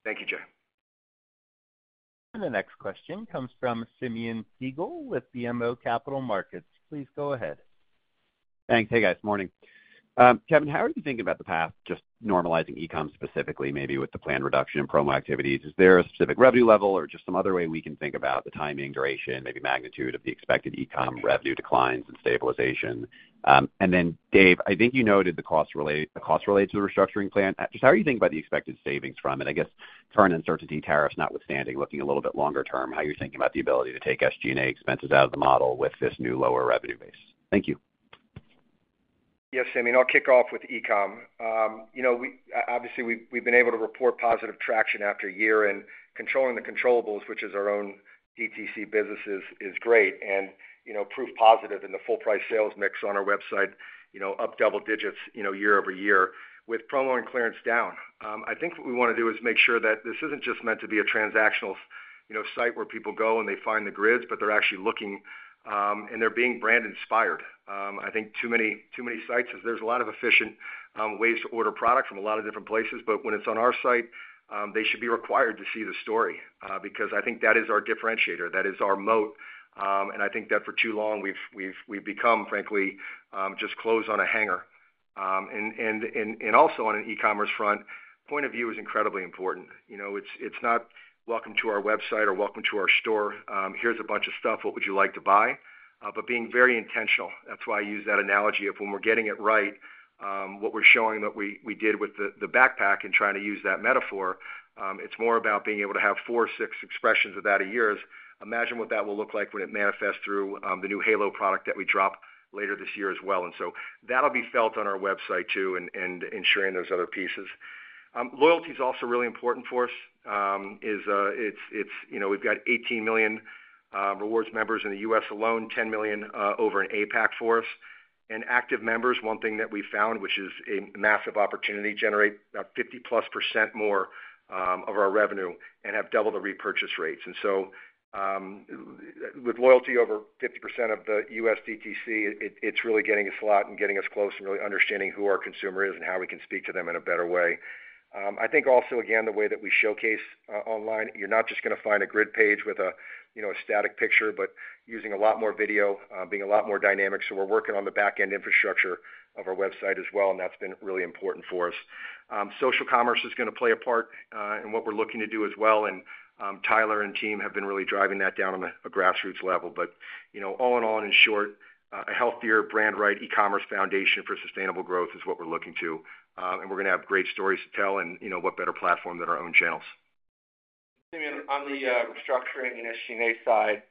Thank you, Jay. The next question comes from Simeon Siegel with BMO Capital Markets. Please go ahead. Thanks. Hey, guys. Morning. Kevin, how are you thinking about the path, just normalizing e-comm specifically, maybe with the planned reduction in promo activities? Is there a specific revenue level or just some other way we can think about the timing, duration, maybe magnitude of the expected e-comm revenue declines and stabilization? Then, Dave, I think you noted the cost relates to the restructuring plan. Just how are you thinking about the expected savings from it? I guess current uncertainty, tariffs notwithstanding, looking a little bit longer term, how are you thinking about the ability to take SG&A expenses out of the model with this new lower revenue base? Thank you. Yes, Simeon. I'll kick off with e-comm. Obviously, we've been able to report positive traction after a year, and controlling the controllables, which is our own DTC businesses, is great, and proved positive in the full-price sales mix on our website, up double digits year over year with promo and clearance down. I think what we want to do is make sure that this isn't just meant to be a transactional site where people go and they find the grids, but they're actually looking and they're being brand inspired. I think too many sites is there's a lot of efficient ways to order product from a lot of different places, but when it's on our site, they should be required to see the story, because I think that is our differentiator. That is our moat. I think that for too long, we've become, frankly, just clothes on a hanger. Also on an e-commerce front, point of view is incredibly important. It's not, "Welcome to our website or welcome to our store. Here's a bunch of stuff. What would you like to buy?" but being very intentional. That's why I use that analogy of when we're getting it right, what we're showing that we did with the backpack and trying to use that metaphor, it's more about being able to have four-six expressions of that a year as imagine what that will look like when it manifests through the new Halo product that we drop later this year as well. That will be felt on our website too and ensuring those other pieces. Loyalty is also really important for us. We've got 18 million rewards members in the U.S. alone, 10 million over in APAC for us. Active members, one thing that we found, which is a massive opportunity, generate about 50+% more of our revenue and have doubled the repurchase rates. With loyalty over 50% of the U.S. DTC, it's really getting a slot and getting us close and really understanding who our consumer is and how we can speak to them in a better way. I think also, again, the way that we showcase online, you're not just going to find a grid page with a static picture, but using a lot more video, being a lot more dynamic. We are working on the back-end infrastructure of our website as well, and that's been really important for us. Social commerce is going to play a part in what we're looking to do as well, and Tyler and team have been really driving that down on a grassroots level. All in all, in short, a healthier, brand-right e-commerce foundation for sustainable growth is what we're looking to. We're going to have great stories to tell and what better platform than our own channels. Simeon, on the restructuring and SG&A side,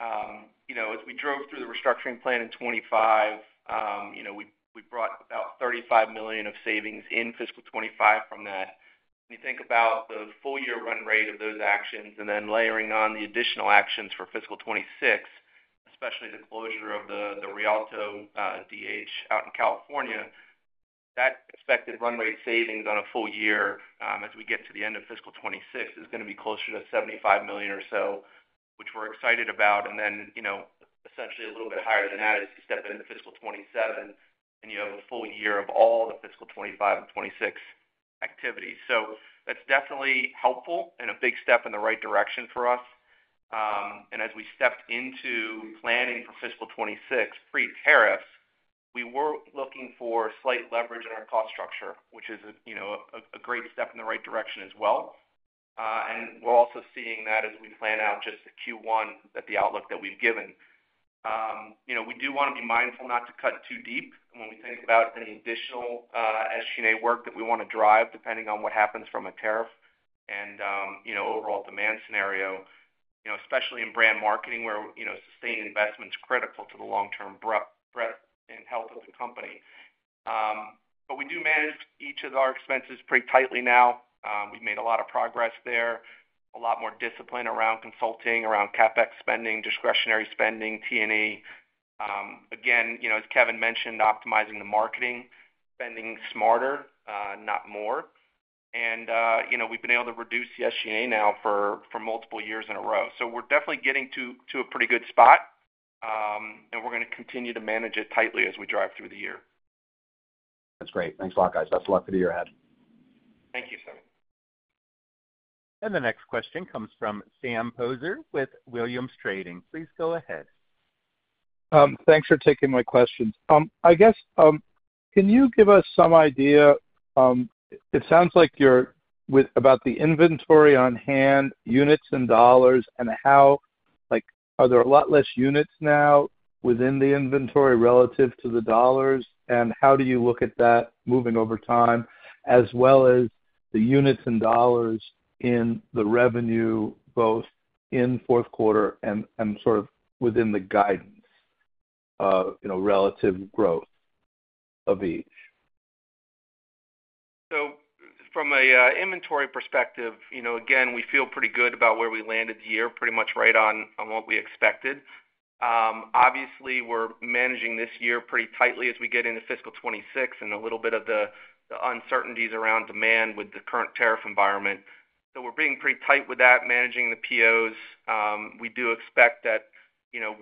as we drove through the restructuring plan in 2025, we brought about $35 million of savings in fiscal 2025 from that. When you think about the full-year run rate of those actions and then layering on the additional actions for fiscal 2026, especially the closure of the Rialto DH out in California, that expected run rate savings on a full year as we get to the end of fiscal 2026 is going to be closer to $75 million or so, which we're excited about. Essentially a little bit higher than that as you step into fiscal 2027, and you have a full year of all the fiscal 2025 and 2026 activities. That's definitely helpful and a big step in the right direction for us. As we stepped into planning for fiscal 2026 pre-tariffs, we were looking for slight leverage in our cost structure, which is a great step in the right direction as well. We're also seeing that as we plan out just the Q1, the outlook that we've given. We do want to be mindful not to cut too deep. When we think about any additional SG&A work that we want to drive, depending on what happens from a tariff and overall demand scenario, especially in brand marketing where sustained investment is critical to the long-term breadth and health of the company. We do manage each of our expenses pretty tightly now. We've made a lot of progress there, a lot more discipline around consulting, around CapEx spending, discretionary spending, T&E. Again, as Kevin mentioned, optimizing the marketing, spending smarter, not more. We have been able to reduce the SG&A now for multiple years in a row. We are definitely getting to a pretty good spot, and we are going to continue to manage it tightly as we drive through the year. That's great. Thanks a lot, guys. Best of luck to you ahead. Thank you, Simeon. The next question comes from Sam Poser with Williams Trading. Please go ahead. Thanks for taking my questions. I guess, can you give us some idea? It sounds like you are about the inventory on hand, units and dollars, and how are there a lot less units now within the inventory relative to the dollars? How do you look at that moving over time, as well as the units and dollars in the revenue, both in fourth quarter and sort of within the guidance relative growth of each? From an inventory perspective, again, we feel pretty good about where we landed the year, pretty much right on what we expected. Obviously, we're managing this year pretty tightly as we get into fiscal 2026 and a little bit of the uncertainties around demand with the current tariff environment. We're being pretty tight with that, managing the POs. We do expect that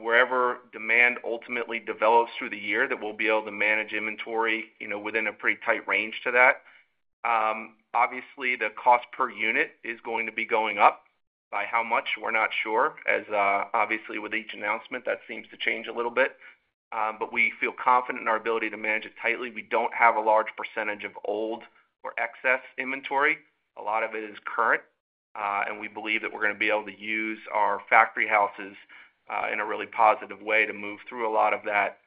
wherever demand ultimately develops through the year, we'll be able to manage inventory within a pretty tight range to that. Obviously, the cost per unit is going to be going up by how much. We're not sure. As obviously with each announcement, that seems to change a little bit. We feel confident in our ability to manage it tightly. We do not have a large percentage of old or excess inventory. A lot of it is current, and we believe that we are going to be able to use our factory houses in a really positive way to move through a lot of that.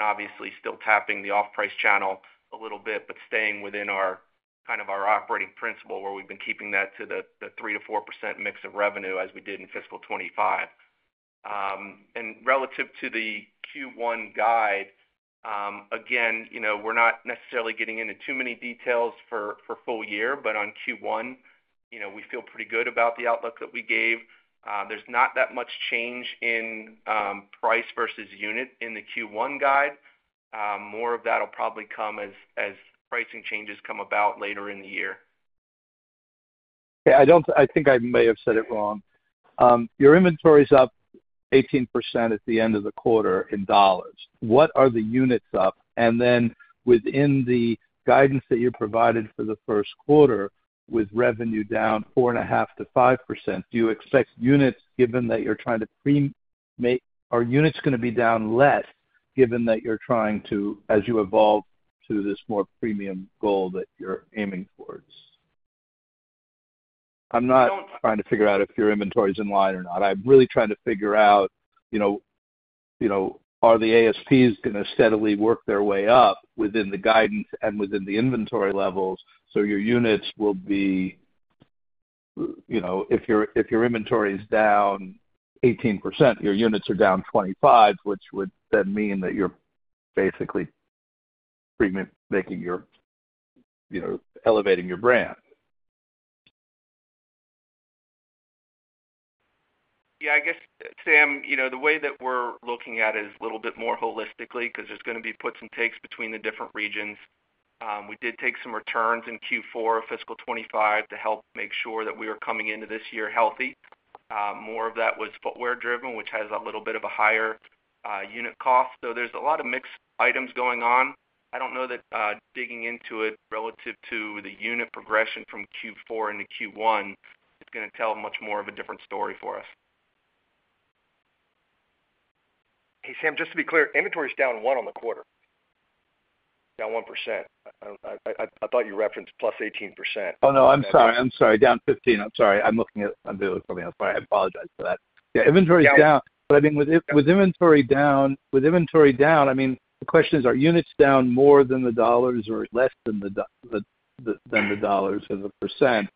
Obviously, still tapping the off-price channel a little bit, but staying within kind of our operating principle where we have been keeping that to the 3%-4% mix of revenue as we did in fiscal 2025. Relative to the Q1 guide, again, we are not necessarily getting into too many details for full year, but on Q1, we feel pretty good about the outlook that we gave. There is not that much change in price versus unit in the Q1 guide. More of that will probably come as pricing changes come about later in the year. Okay. I think I may have said it wrong. Your inventory is up 18% at the end of the quarter in dollars. What are the units up? And then within the guidance that you provided for the first quarter, with revenue down 4.5-5%, do you expect units, given that you're trying to pre-make, are units going to be down less given that you're trying to, as you evolve to this more premium goal that you're aiming towards? I'm not trying to figure out if your inventory is in line or not. I'm really trying to figure out, are the ASPs going to steadily work their way up within the guidance and within the inventory levels? If your inventory is down 18%, your units are down 25%, which would then mean that you're basically making your elevating your brand. Yeah. I guess, Sam, the way that we're looking at it is a little bit more holistically because there's going to be puts and takes between the different regions. We did take some returns in Q4 of fiscal 2025 to help make sure that we were coming into this year healthy. More of that was footwear driven, which has a little bit of a higher unit cost. So there's a lot of mixed items going on. I don't know that digging into it relative to the unit progression from Q4 into Q1 is going to tell much more of a different story for us. Hey, Sam, just to be clear, inventory is down 1 on the quarter, down 1%. I thought you referenced plus 18%. Oh, no. I'm sorry. I'm sorry. Down 15%. I'm sorry. I'm looking at something else. Sorry. I apologize for that. Yeah. Inventory is down. I mean, with inventory down, the question is, are units down more than the dollars or less than the dollars as a percent?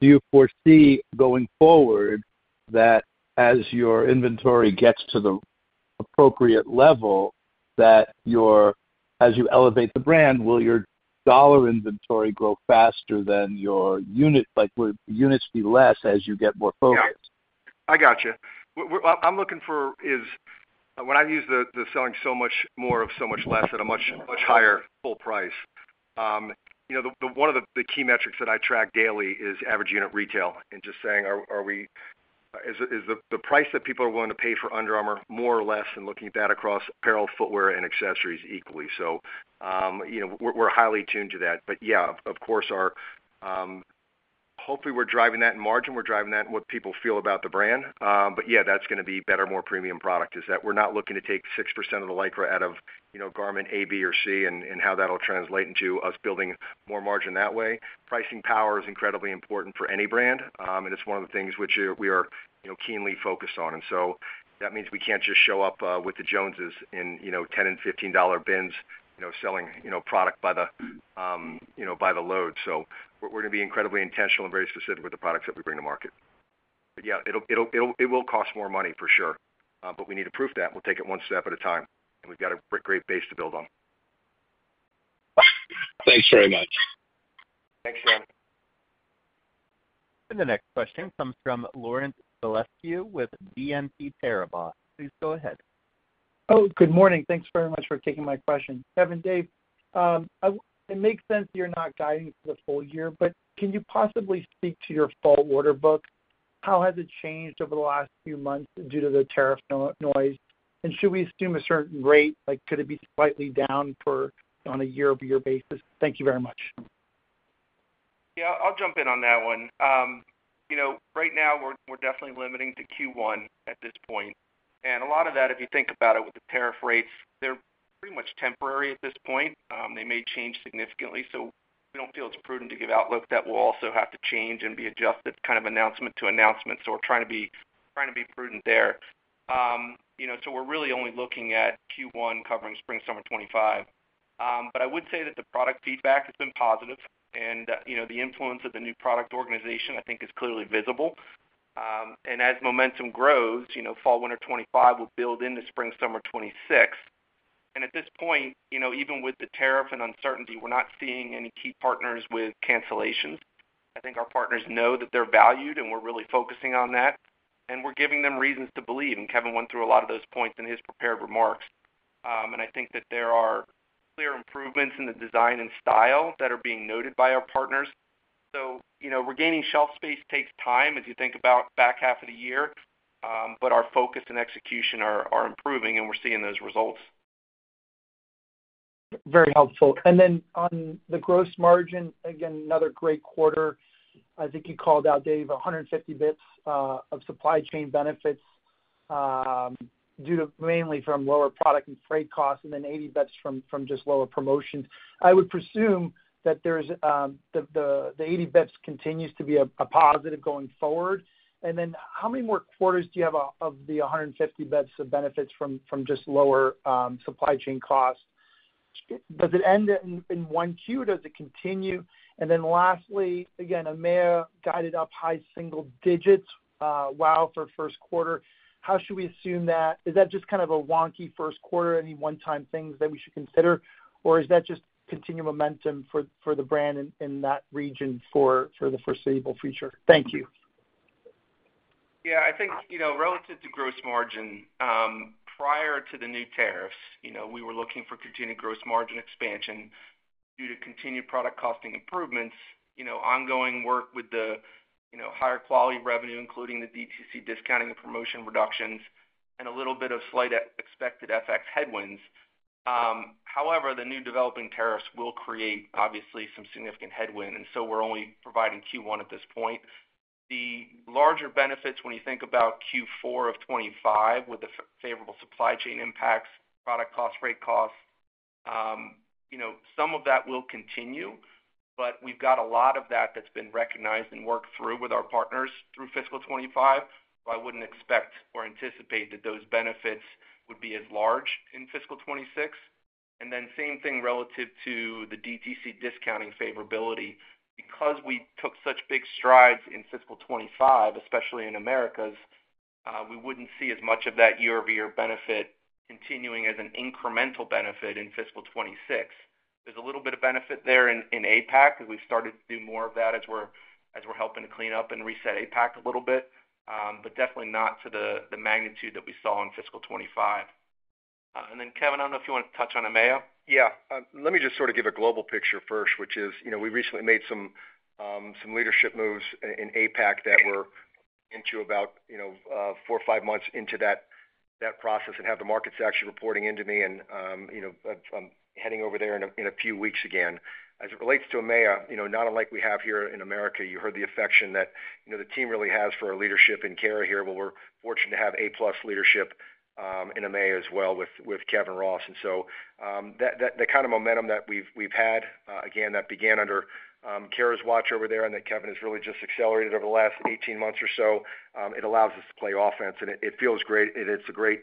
Do you foresee going forward that as your inventory gets to the appropriate level, as you elevate the brand, will your dollar inventory grow faster than your units, be less as you get more focused? Yeah. I gotcha. What I'm looking for is when I've used the selling so much more of so much less at a much higher full price. One of the key metrics that I track daily is average unit retail and just saying, is the price that people are willing to pay for Under Armour more or less and looking at that across apparel, footwear, and accessories equally? We are highly tuned to that. Yeah, of course, hopefully we are driving that margin. We are driving that and what people feel about the brand. Yeah, that is going to be better, more premium product is that we are not looking to take 6% of the Lycra out of garment A, B, or C and how that will translate into us building more margin that way. Pricing power is incredibly important for any brand, and it is one of the things which we are keenly focused on. That means we cannot just show up with the Joneses in $10 and $15 bins selling product by the load. We're going to be incredibly intentional and very specific with the products that we bring to market. Yeah, it will cost more money for sure, but we need to prove that. We'll take it one step at a time, and we've got a great base to build on. Thanks very much. Thanks, Sam. The next question comes from Laurent Vasilescu with BNP Paribas. Please go ahead. Good morning. Thanks very much for taking my question. Kevin, Dave, it makes sense you're not guiding for the full year, but can you possibly speak to your fall order book? How has it changed over the last few months due to the tariff noise? Should we assume a certain rate? Could it be slightly down on a year-over-year basis? Thank you very much. Yeah. I'll jump in on that one. Right now, we're definitely limiting to Q1 at this point. A lot of that, if you think about it with the tariff rates, they're pretty much temporary at this point. They may change significantly. We do not feel it's prudent to give outlook that will also have to change and be adjusted kind of announcement to announcement. We're trying to be prudent there. We're really only looking at Q1 covering spring, summer 2025. I would say that the product feedback has been positive, and the influence of the new product organization, I think, is clearly visible. As momentum grows, fall, winter 2025 will build into spring, summer 2026. At this point, even with the tariff and uncertainty, we're not seeing any key partners with cancellations. I think our partners know that they're valued, and we're really focusing on that. We're giving them reasons to believe. Kevin went through a lot of those points in his prepared remarks. I think that there are clear improvements in the design and style that are being noted by our partners. Regaining shelf space takes time as you think about back half of the year, but our focus and execution are improving, and we're seeing those results. Very helpful. On the gross margin, again, another great quarter. I think you called out, Dave, 150 basis points of supply chain benefits due mainly to lower product and freight costs and then 80 basis points from just lower promotions. I would presume that the 80 basis points continues to be a positive going forward. How many more quarters do you have of the 150 basis points of benefits from just lower supply chain costs? Does it end in one Q? Does it continue? And then lastly, again, Emma guided up high single digits. Wow for first quarter. How should we assume that? Is that just kind of a wonky first quarter, any one-time things that we should consider? Or is that just continued momentum for the brand in that region for the foreseeable future? Thank you. Yeah. I think relative to gross margin, prior to the new tariffs, we were looking for continued gross margin expansion due to continued product costing improvements, ongoing work with the higher quality revenue, including the DTC discounting and promotion reductions, and a little bit of slight expected FX headwinds. However, the new developing tariffs will create, obviously, some significant headwind. We are only providing Q1 at this point. The larger benefits when you think about Q4 of 2025 with the favorable supply chain impacts, product cost, freight costs, some of that will continue, but we've got a lot of that that's been recognized and worked through with our partners through fiscal 2025. I wouldn't expect or anticipate that those benefits would be as large in fiscal 2026. The same thing relative to the DTC discounting favorability. Because we took such big strides in fiscal 2025, especially in Americas, we wouldn't see as much of that year-over-year benefit continuing as an incremental benefit in fiscal 2026. There's a little bit of benefit there in APAC because we've started to do more of that as we're helping to clean up and reset APAC a little bit, but definitely not to the magnitude that we saw in fiscal 2025. Kevin, I do not know if you want to touch on EMEA? Yeah. Let me just sort of give a global picture first, which is we recently made some leadership moves in APAC that we are about four or five months into that process and have the markets actually reporting into me, and I am heading over there in a few weeks again. As it relates to EMEA, not unlike we have here in America, you heard the affection that the team really has for our leadership and Kara here. We are fortunate to have A-plus leadership in EMEA as well with Kevin Ross. The kind of momentum that we have had, again, that began under Kara's watch over there and that Kevin has really just accelerated over the last 18 months or so, it allows us to play offense. It feels great. It's a great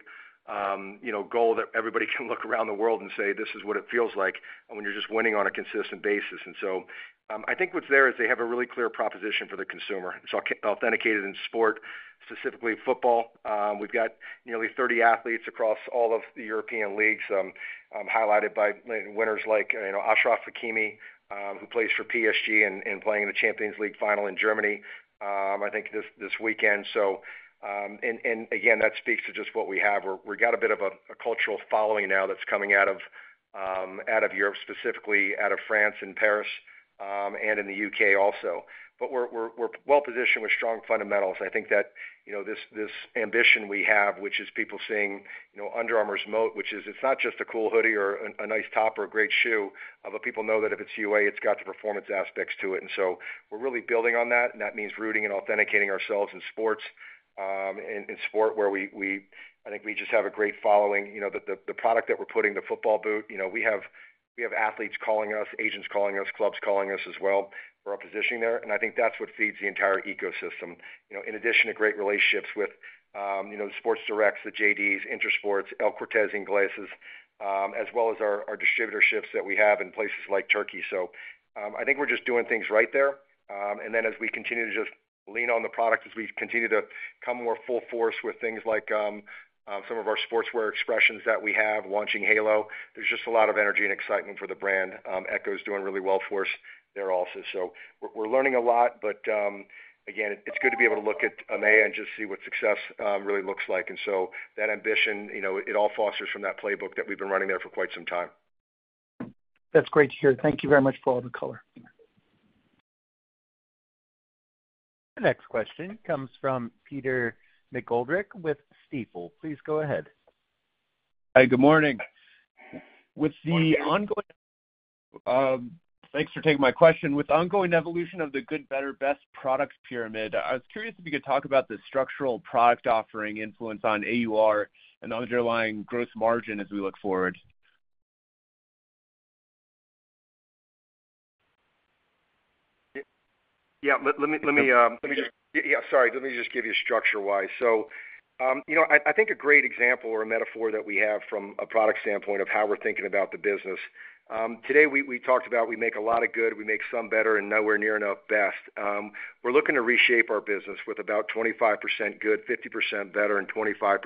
goal that everybody can look around the world and say, "This is what it feels like when you're just winning on a consistent basis." I think what's there is they have a really clear proposition for the consumer. It's authenticated in sport, specifically football. We've got nearly 30 athletes across all of the European leagues highlighted by winners like Achraf Hakimi, who plays for PSG and playing in the Champions League final in Germany, I think, this weekend. That speaks to just what we have. We've got a bit of a cultural following now that's coming out of Europe, specifically out of France and Paris and in the U.K. also. We're well-positioned with strong fundamentals. I think that this ambition we have, which is people seeing Under Armour's moat, which is it's not just a cool hoodie or a nice top or a great shoe, but people know that if it's UA, it's got the performance aspects to it. We are really building on that. That means rooting and authenticating ourselves in sports and sport where I think we just have a great following. The product that we're putting, the football boot, we have athletes calling us, agents calling us, clubs calling us as well for our positioning there. I think that's what feeds the entire ecosystem, in addition to great relationships with the Sports Directs, the JDs, Intersport, El Corte Inglés, as well as our distributorships that we have in places like Turkey. I think we're just doing things right there. As we continue to just lean on the product, as we continue to come more full force with things like some of our sportswear expressions that we have, launching Halo, there is just a lot of energy and excitement for the brand. Echo is doing really well for us there also. We are learning a lot, but again, it is good to be able to look at EMEA and just see what success really looks like. That ambition, it all fosters from that playbook that we have been running there for quite some time. That is great to hear. Thank you very much for all the color. Next question comes from Peter McGoldrick with Stifel. Please go ahead. Hi. Good morning. With the ongoing—thanks for taking my question. With the ongoing evolution of the good, better, best product pyramid, I was curious if you could talk about the structural product offering influence on AUR and the underlying gross margin as we look forward. Yeah. Let me just—yeah. Sorry. Let me just give you structure-wise. I think a great example or a metaphor that we have from a product standpoint of how we're thinking about the business. Today, we talked about we make a lot of good, we make some better, and nowhere near enough best. We're looking to reshape our business with about 25% good, 50% better, and 25%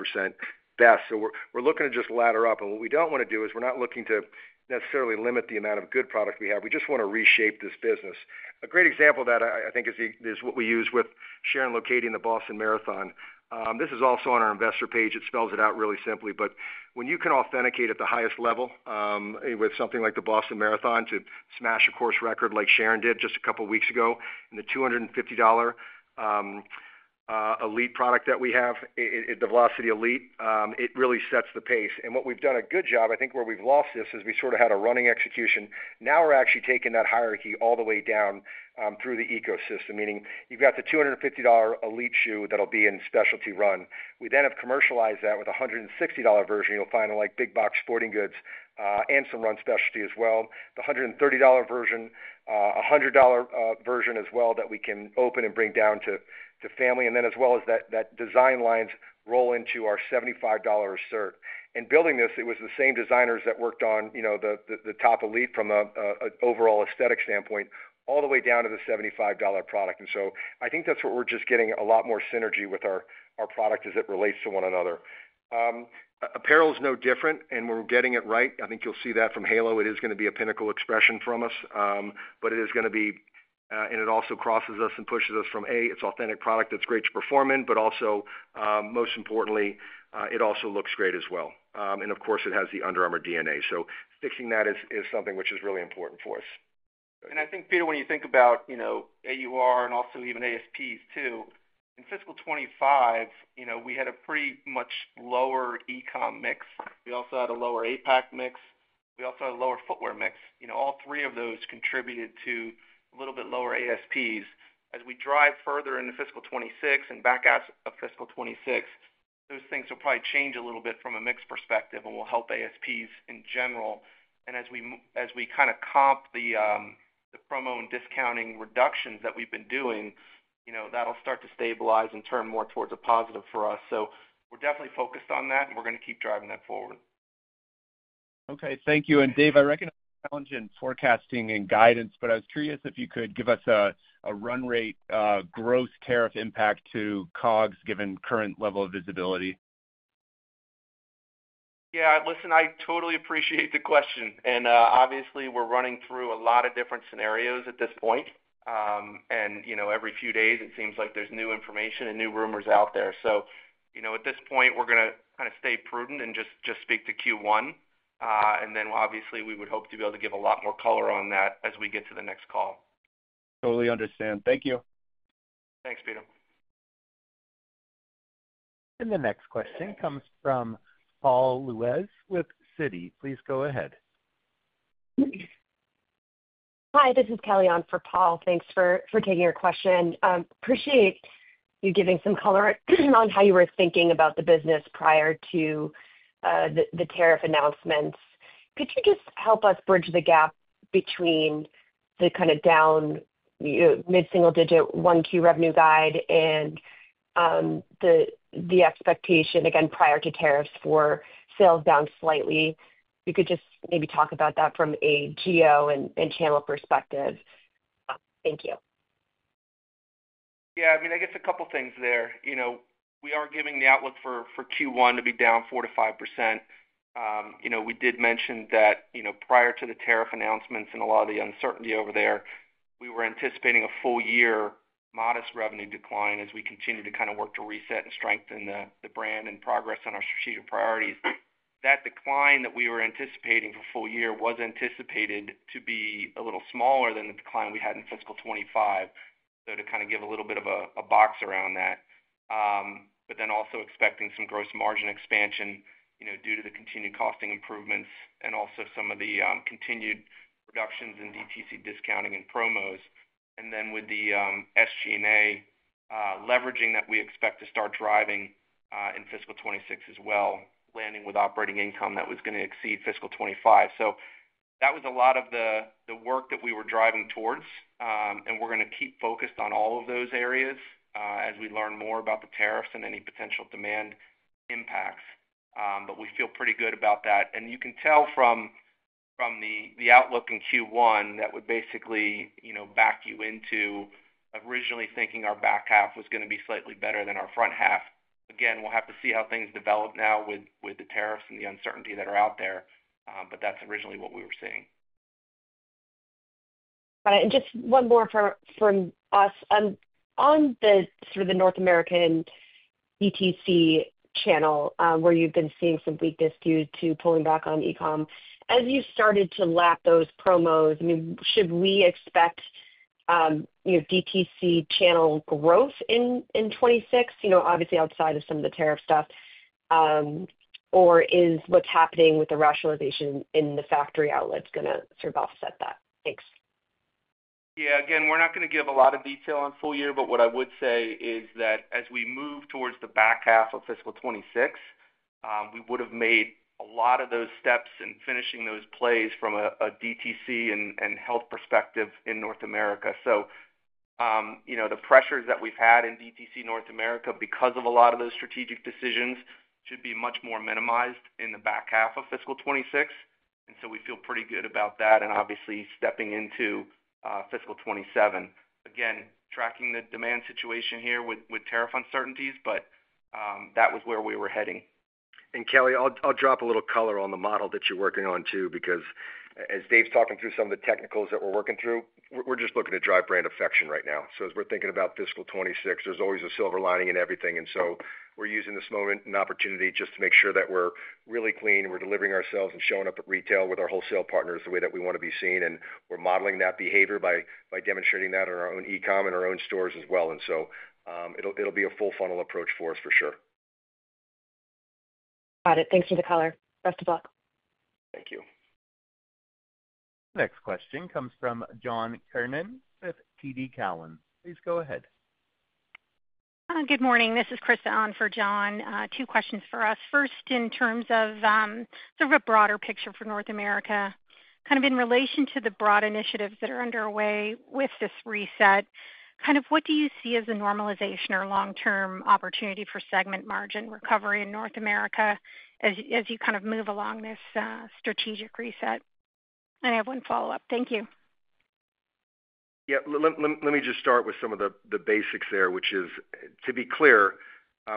best. We're looking to just ladder up. What we do not want to do is we're not looking to necessarily limit the amount of good product we have. We just want to reshape this business. A great example of that, I think, is what we use with Sharon Lokedi in the Boston Marathon. This is also on our investor page. It spells it out really simply. When you can authenticate at the highest level with something like the Boston Marathon to smash a course record like Sharon did just a couple of weeks ago, and the $250 elite product that we have, the Velocity Elite, it really sets the pace. What we've done a good job, I think, where we've lost this is we sort of had a running execution. Now we're actually taking that hierarchy all the way down through the ecosystem, meaning you've got the $250 elite shoe that'll be in specialty run. We then have commercialized that with a $160 version you'll find on Big Box Sporting Goods and some run specialty as well. The $130 version, a $100 version as well that we can open and bring down to family. As well as that, design lines roll into our $75 Assert. Building this, it was the same designers that worked on the top Elite from an overall aesthetic standpoint all the way down to the $75 product. I think that's where we're just getting a lot more synergy with our product as it relates to one another. Apparel is no different. When we're getting it right, I think you'll see that from Halo. It is going to be a pinnacle expression from us, but it is going to be—it also crosses us and pushes us from, "A, it's an authentic product that's great to perform in," but also, most importantly, it also looks great as well. Of course, it has the Under Armour DNA. Fixing that is something which is really important for us. I think, Peter, when you think about AUR and also even ASPs too, in fiscal 2025, we had a pretty much lower ECOM mix. We also had a lower APAC mix. We also had a lower footwear mix. All three of those contributed to a little bit lower ASPs. As we drive further into fiscal 2026 and back out of fiscal 2026, those things will probably change a little bit from a mix perspective and will help ASPs in general. As we kind of comp the promo and discounting reductions that we have been doing, that will start to stabilize and turn more towards a positive for us. We are definitely focused on that, and we are going to keep driving that forward. Okay. Thank you. Dave, I recognize challenge in forecasting and guidance, but I was curious if you could give us a run rate growth tariff impact to COGS given current level of visibility. Yeah. Listen, I totally appreciate the question. Obviously, we're running through a lot of different scenarios at this point. Every few days, it seems like there's new information and new rumors out there. At this point, we're going to kind of stay prudent and just speak to Q1. Obviously, we would hope to be able to give a lot more color on that as we get to the next call. Totally understand. Thank you. Thanks, Peter. The next question comes from Paul Lejuez with Citi. Please go ahead. Hi. This is Kelly on for Paul. Thanks for taking your question. Appreciate you giving some color on how you were thinking about the business prior to the tariff announcements. Could you just help us bridge the gap between the kind of down mid-single digit Q1 revenue guide and the expectation, again, prior to tariffs for sales down slightly? If you could just maybe talk about that from a GO and channel perspective. Thank you. Yeah. I mean, I guess a couple of things there. We are giving the outlook for Q1 to be down 4-5%. We did mention that prior to the tariff announcements and a lot of the uncertainty over there, we were anticipating a full-year modest revenue decline as we continue to kind of work to reset and strengthen the brand and progress on our strategic priorities. That decline that we were anticipating for full year was anticipated to be a little smaller than the decline we had in fiscal 2025. To kind of give a little bit of a box around that, but then also expecting some gross margin expansion due to the continued costing improvements and also some of the continued reductions in DTC discounting and promos. With the SG&A leveraging that we expect to start driving in fiscal 2026 as well, landing with operating income that was going to exceed fiscal 2025. That was a lot of the work that we were driving towards. We are going to keep focused on all of those areas as we learn more about the tariffs and any potential demand impacts. We feel pretty good about that. You can tell from the outlook in Q1 that would basically back you into originally thinking our back half was going to be slightly better than our front half. Again, we'll have to see how things develop now with the tariffs and the uncertainty that are out there, but that's originally what we were seeing. Got it. Just one more from us. On the sort of North America DTC channel where you've been seeing some weakness due to pulling back on ECOM, as you started to lap those promos, I mean, should we expect DTC channel growth in 2026, obviously outside of some of the tariff stuff, or is what's happening with the rationalization in the factory outlets going to sort of offset that? Thanks. Yeah. Again, we're not going to give a lot of detail on full year, but what I would say is that as we move towards the back half of fiscal 2026, we would have made a lot of those steps and finishing those plays from a DTC and health perspective in North America. The pressures that we've had in DTC North America because of a lot of those strategic decisions should be much more minimized in the back half of fiscal 2026. We feel pretty good about that and obviously stepping into fiscal 2027. Again, tracking the demand situation here with tariff uncertainties, but that was where we were heading. Kelly, I'll drop a little color on the model that you're working on too because as Dave's talking through some of the technicals that we're working through, we're just looking to drive brand affection right now. As we're thinking about fiscal 2026, there's always a silver lining in everything. We're using this moment and opportunity just to make sure that we're really clean, we're delivering ourselves, and showing up at retail with our wholesale partners the way that we want to be seen. We're modeling that behavior by demonstrating that in our own ECOM and our own stores as well. It'll be a full-funnel approach for us for sure. Got it. Thanks for the color. Best of luck. Thank you. Next question comes from John Kernan with TD Cowen. Please go ahead. Good morning. This is Krista on for John. Two questions for us. First, in terms of sort of a broader picture for North America, kind of in relation to the broad initiatives that are underway with this reset, what do you see as a normalization or long-term opportunity for segment margin recovery in North America as you move along this strategic reset? I have one follow-up. Thank you. Yeah. Let me just start with some of the basics there, which is, to be clear,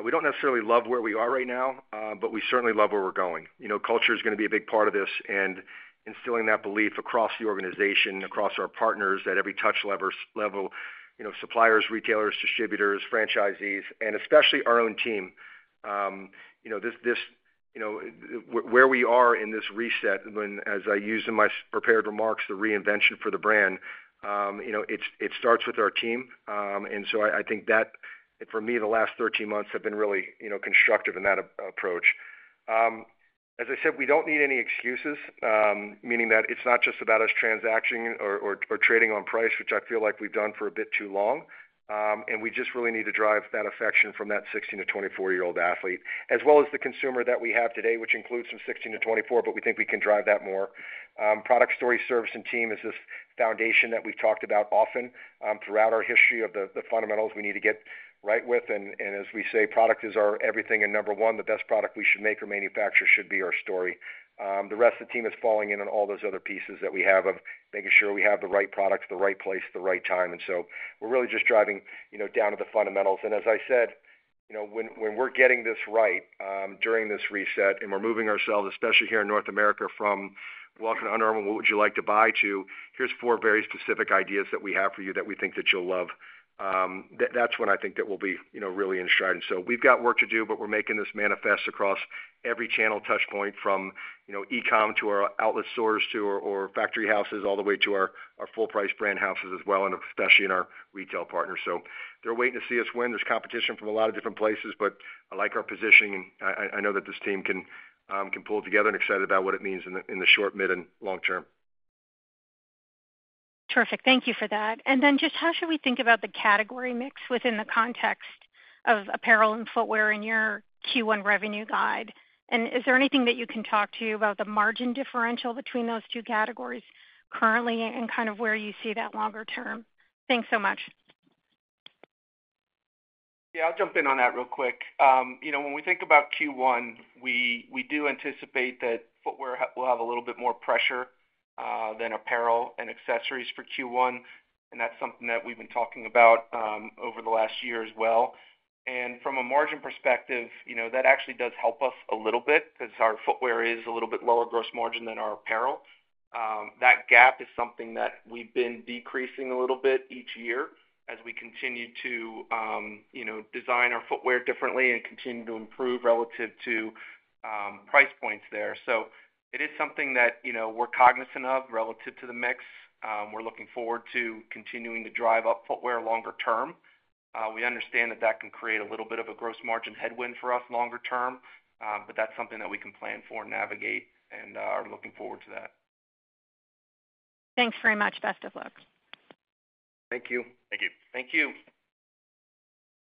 we do not necessarily love where we are right now, but we certainly love where we are going. Culture is going to be a big part of this. Instilling that belief across the organization, across our partners at every touch level—suppliers, retailers, distributors, franchisees, and especially our own team—this is where we are in this reset. As I used in my prepared remarks, the reinvention for the brand, it starts with our team. I think that, for me, the last 13 months have been really constructive in that approach. As I said, we do not need any excuses, meaning that it is not just about us transacting or trading on price, which I feel like we have done for a bit too long. We just really need to drive that affection from that 16-24-year-old athlete, as well as the consumer that we have today, which includes some 16-24, but we think we can drive that more. Product story, service, and team is this foundation that we have talked about often throughout our history of the fundamentals we need to get right with. As we say, product is our everything and number one. The best product we should make or manufacture should be our story. The rest of the team is falling in on all those other pieces that we have of making sure we have the right product, the right place, the right time. We are really just driving down to the fundamentals. As I said, when we are getting this right during this reset and we are moving ourselves, especially here in North America, from walking on our own, "What would you like to buy?" to, "Here are four very specific ideas that we have for you that we think that you will love," that is when I think that we will be really enshrined. We have work to do, but we are making this manifest across every channel touchpoint from ECOM to our outlet stores to our factory houses all the way to our full-price brand houses as well, especially in our retail partners. They are waiting to see us win. There's competition from a lot of different places, but I like our positioning. I know that this team can pull together and excited about what it means in the short, mid, and long term. Terrific. Thank you for that. Just how should we think about the category mix within the context of apparel and footwear in your Q1 revenue guide? Is there anything that you can talk to about the margin differential between those two categories currently and kind of where you see that longer term? Thanks so much. Yeah. I'll jump in on that real quick. When we think about Q1, we do anticipate that footwear will have a little bit more pressure than apparel and accessories for Q1. That's something that we've been talking about over the last year as well. From a margin perspective, that actually does help us a little bit because our footwear is a little bit lower gross margin than our apparel. That gap is something that we've been decreasing a little bit each year as we continue to design our footwear differently and continue to improve relative to price points there. It is something that we're cognizant of relative to the mix. We're looking forward to continuing to drive up footwear longer term. We understand that that can create a little bit of a gross margin headwind for us longer term, but that's something that we can plan for and navigate and are looking forward to that. Thanks very much. Best of luck. Thank you. Thank you. Thank you.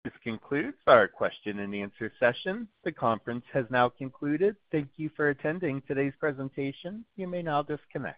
This concludes our question and answer session. The conference has now concluded. Thank you for attending today's presentation. You may now disconnect.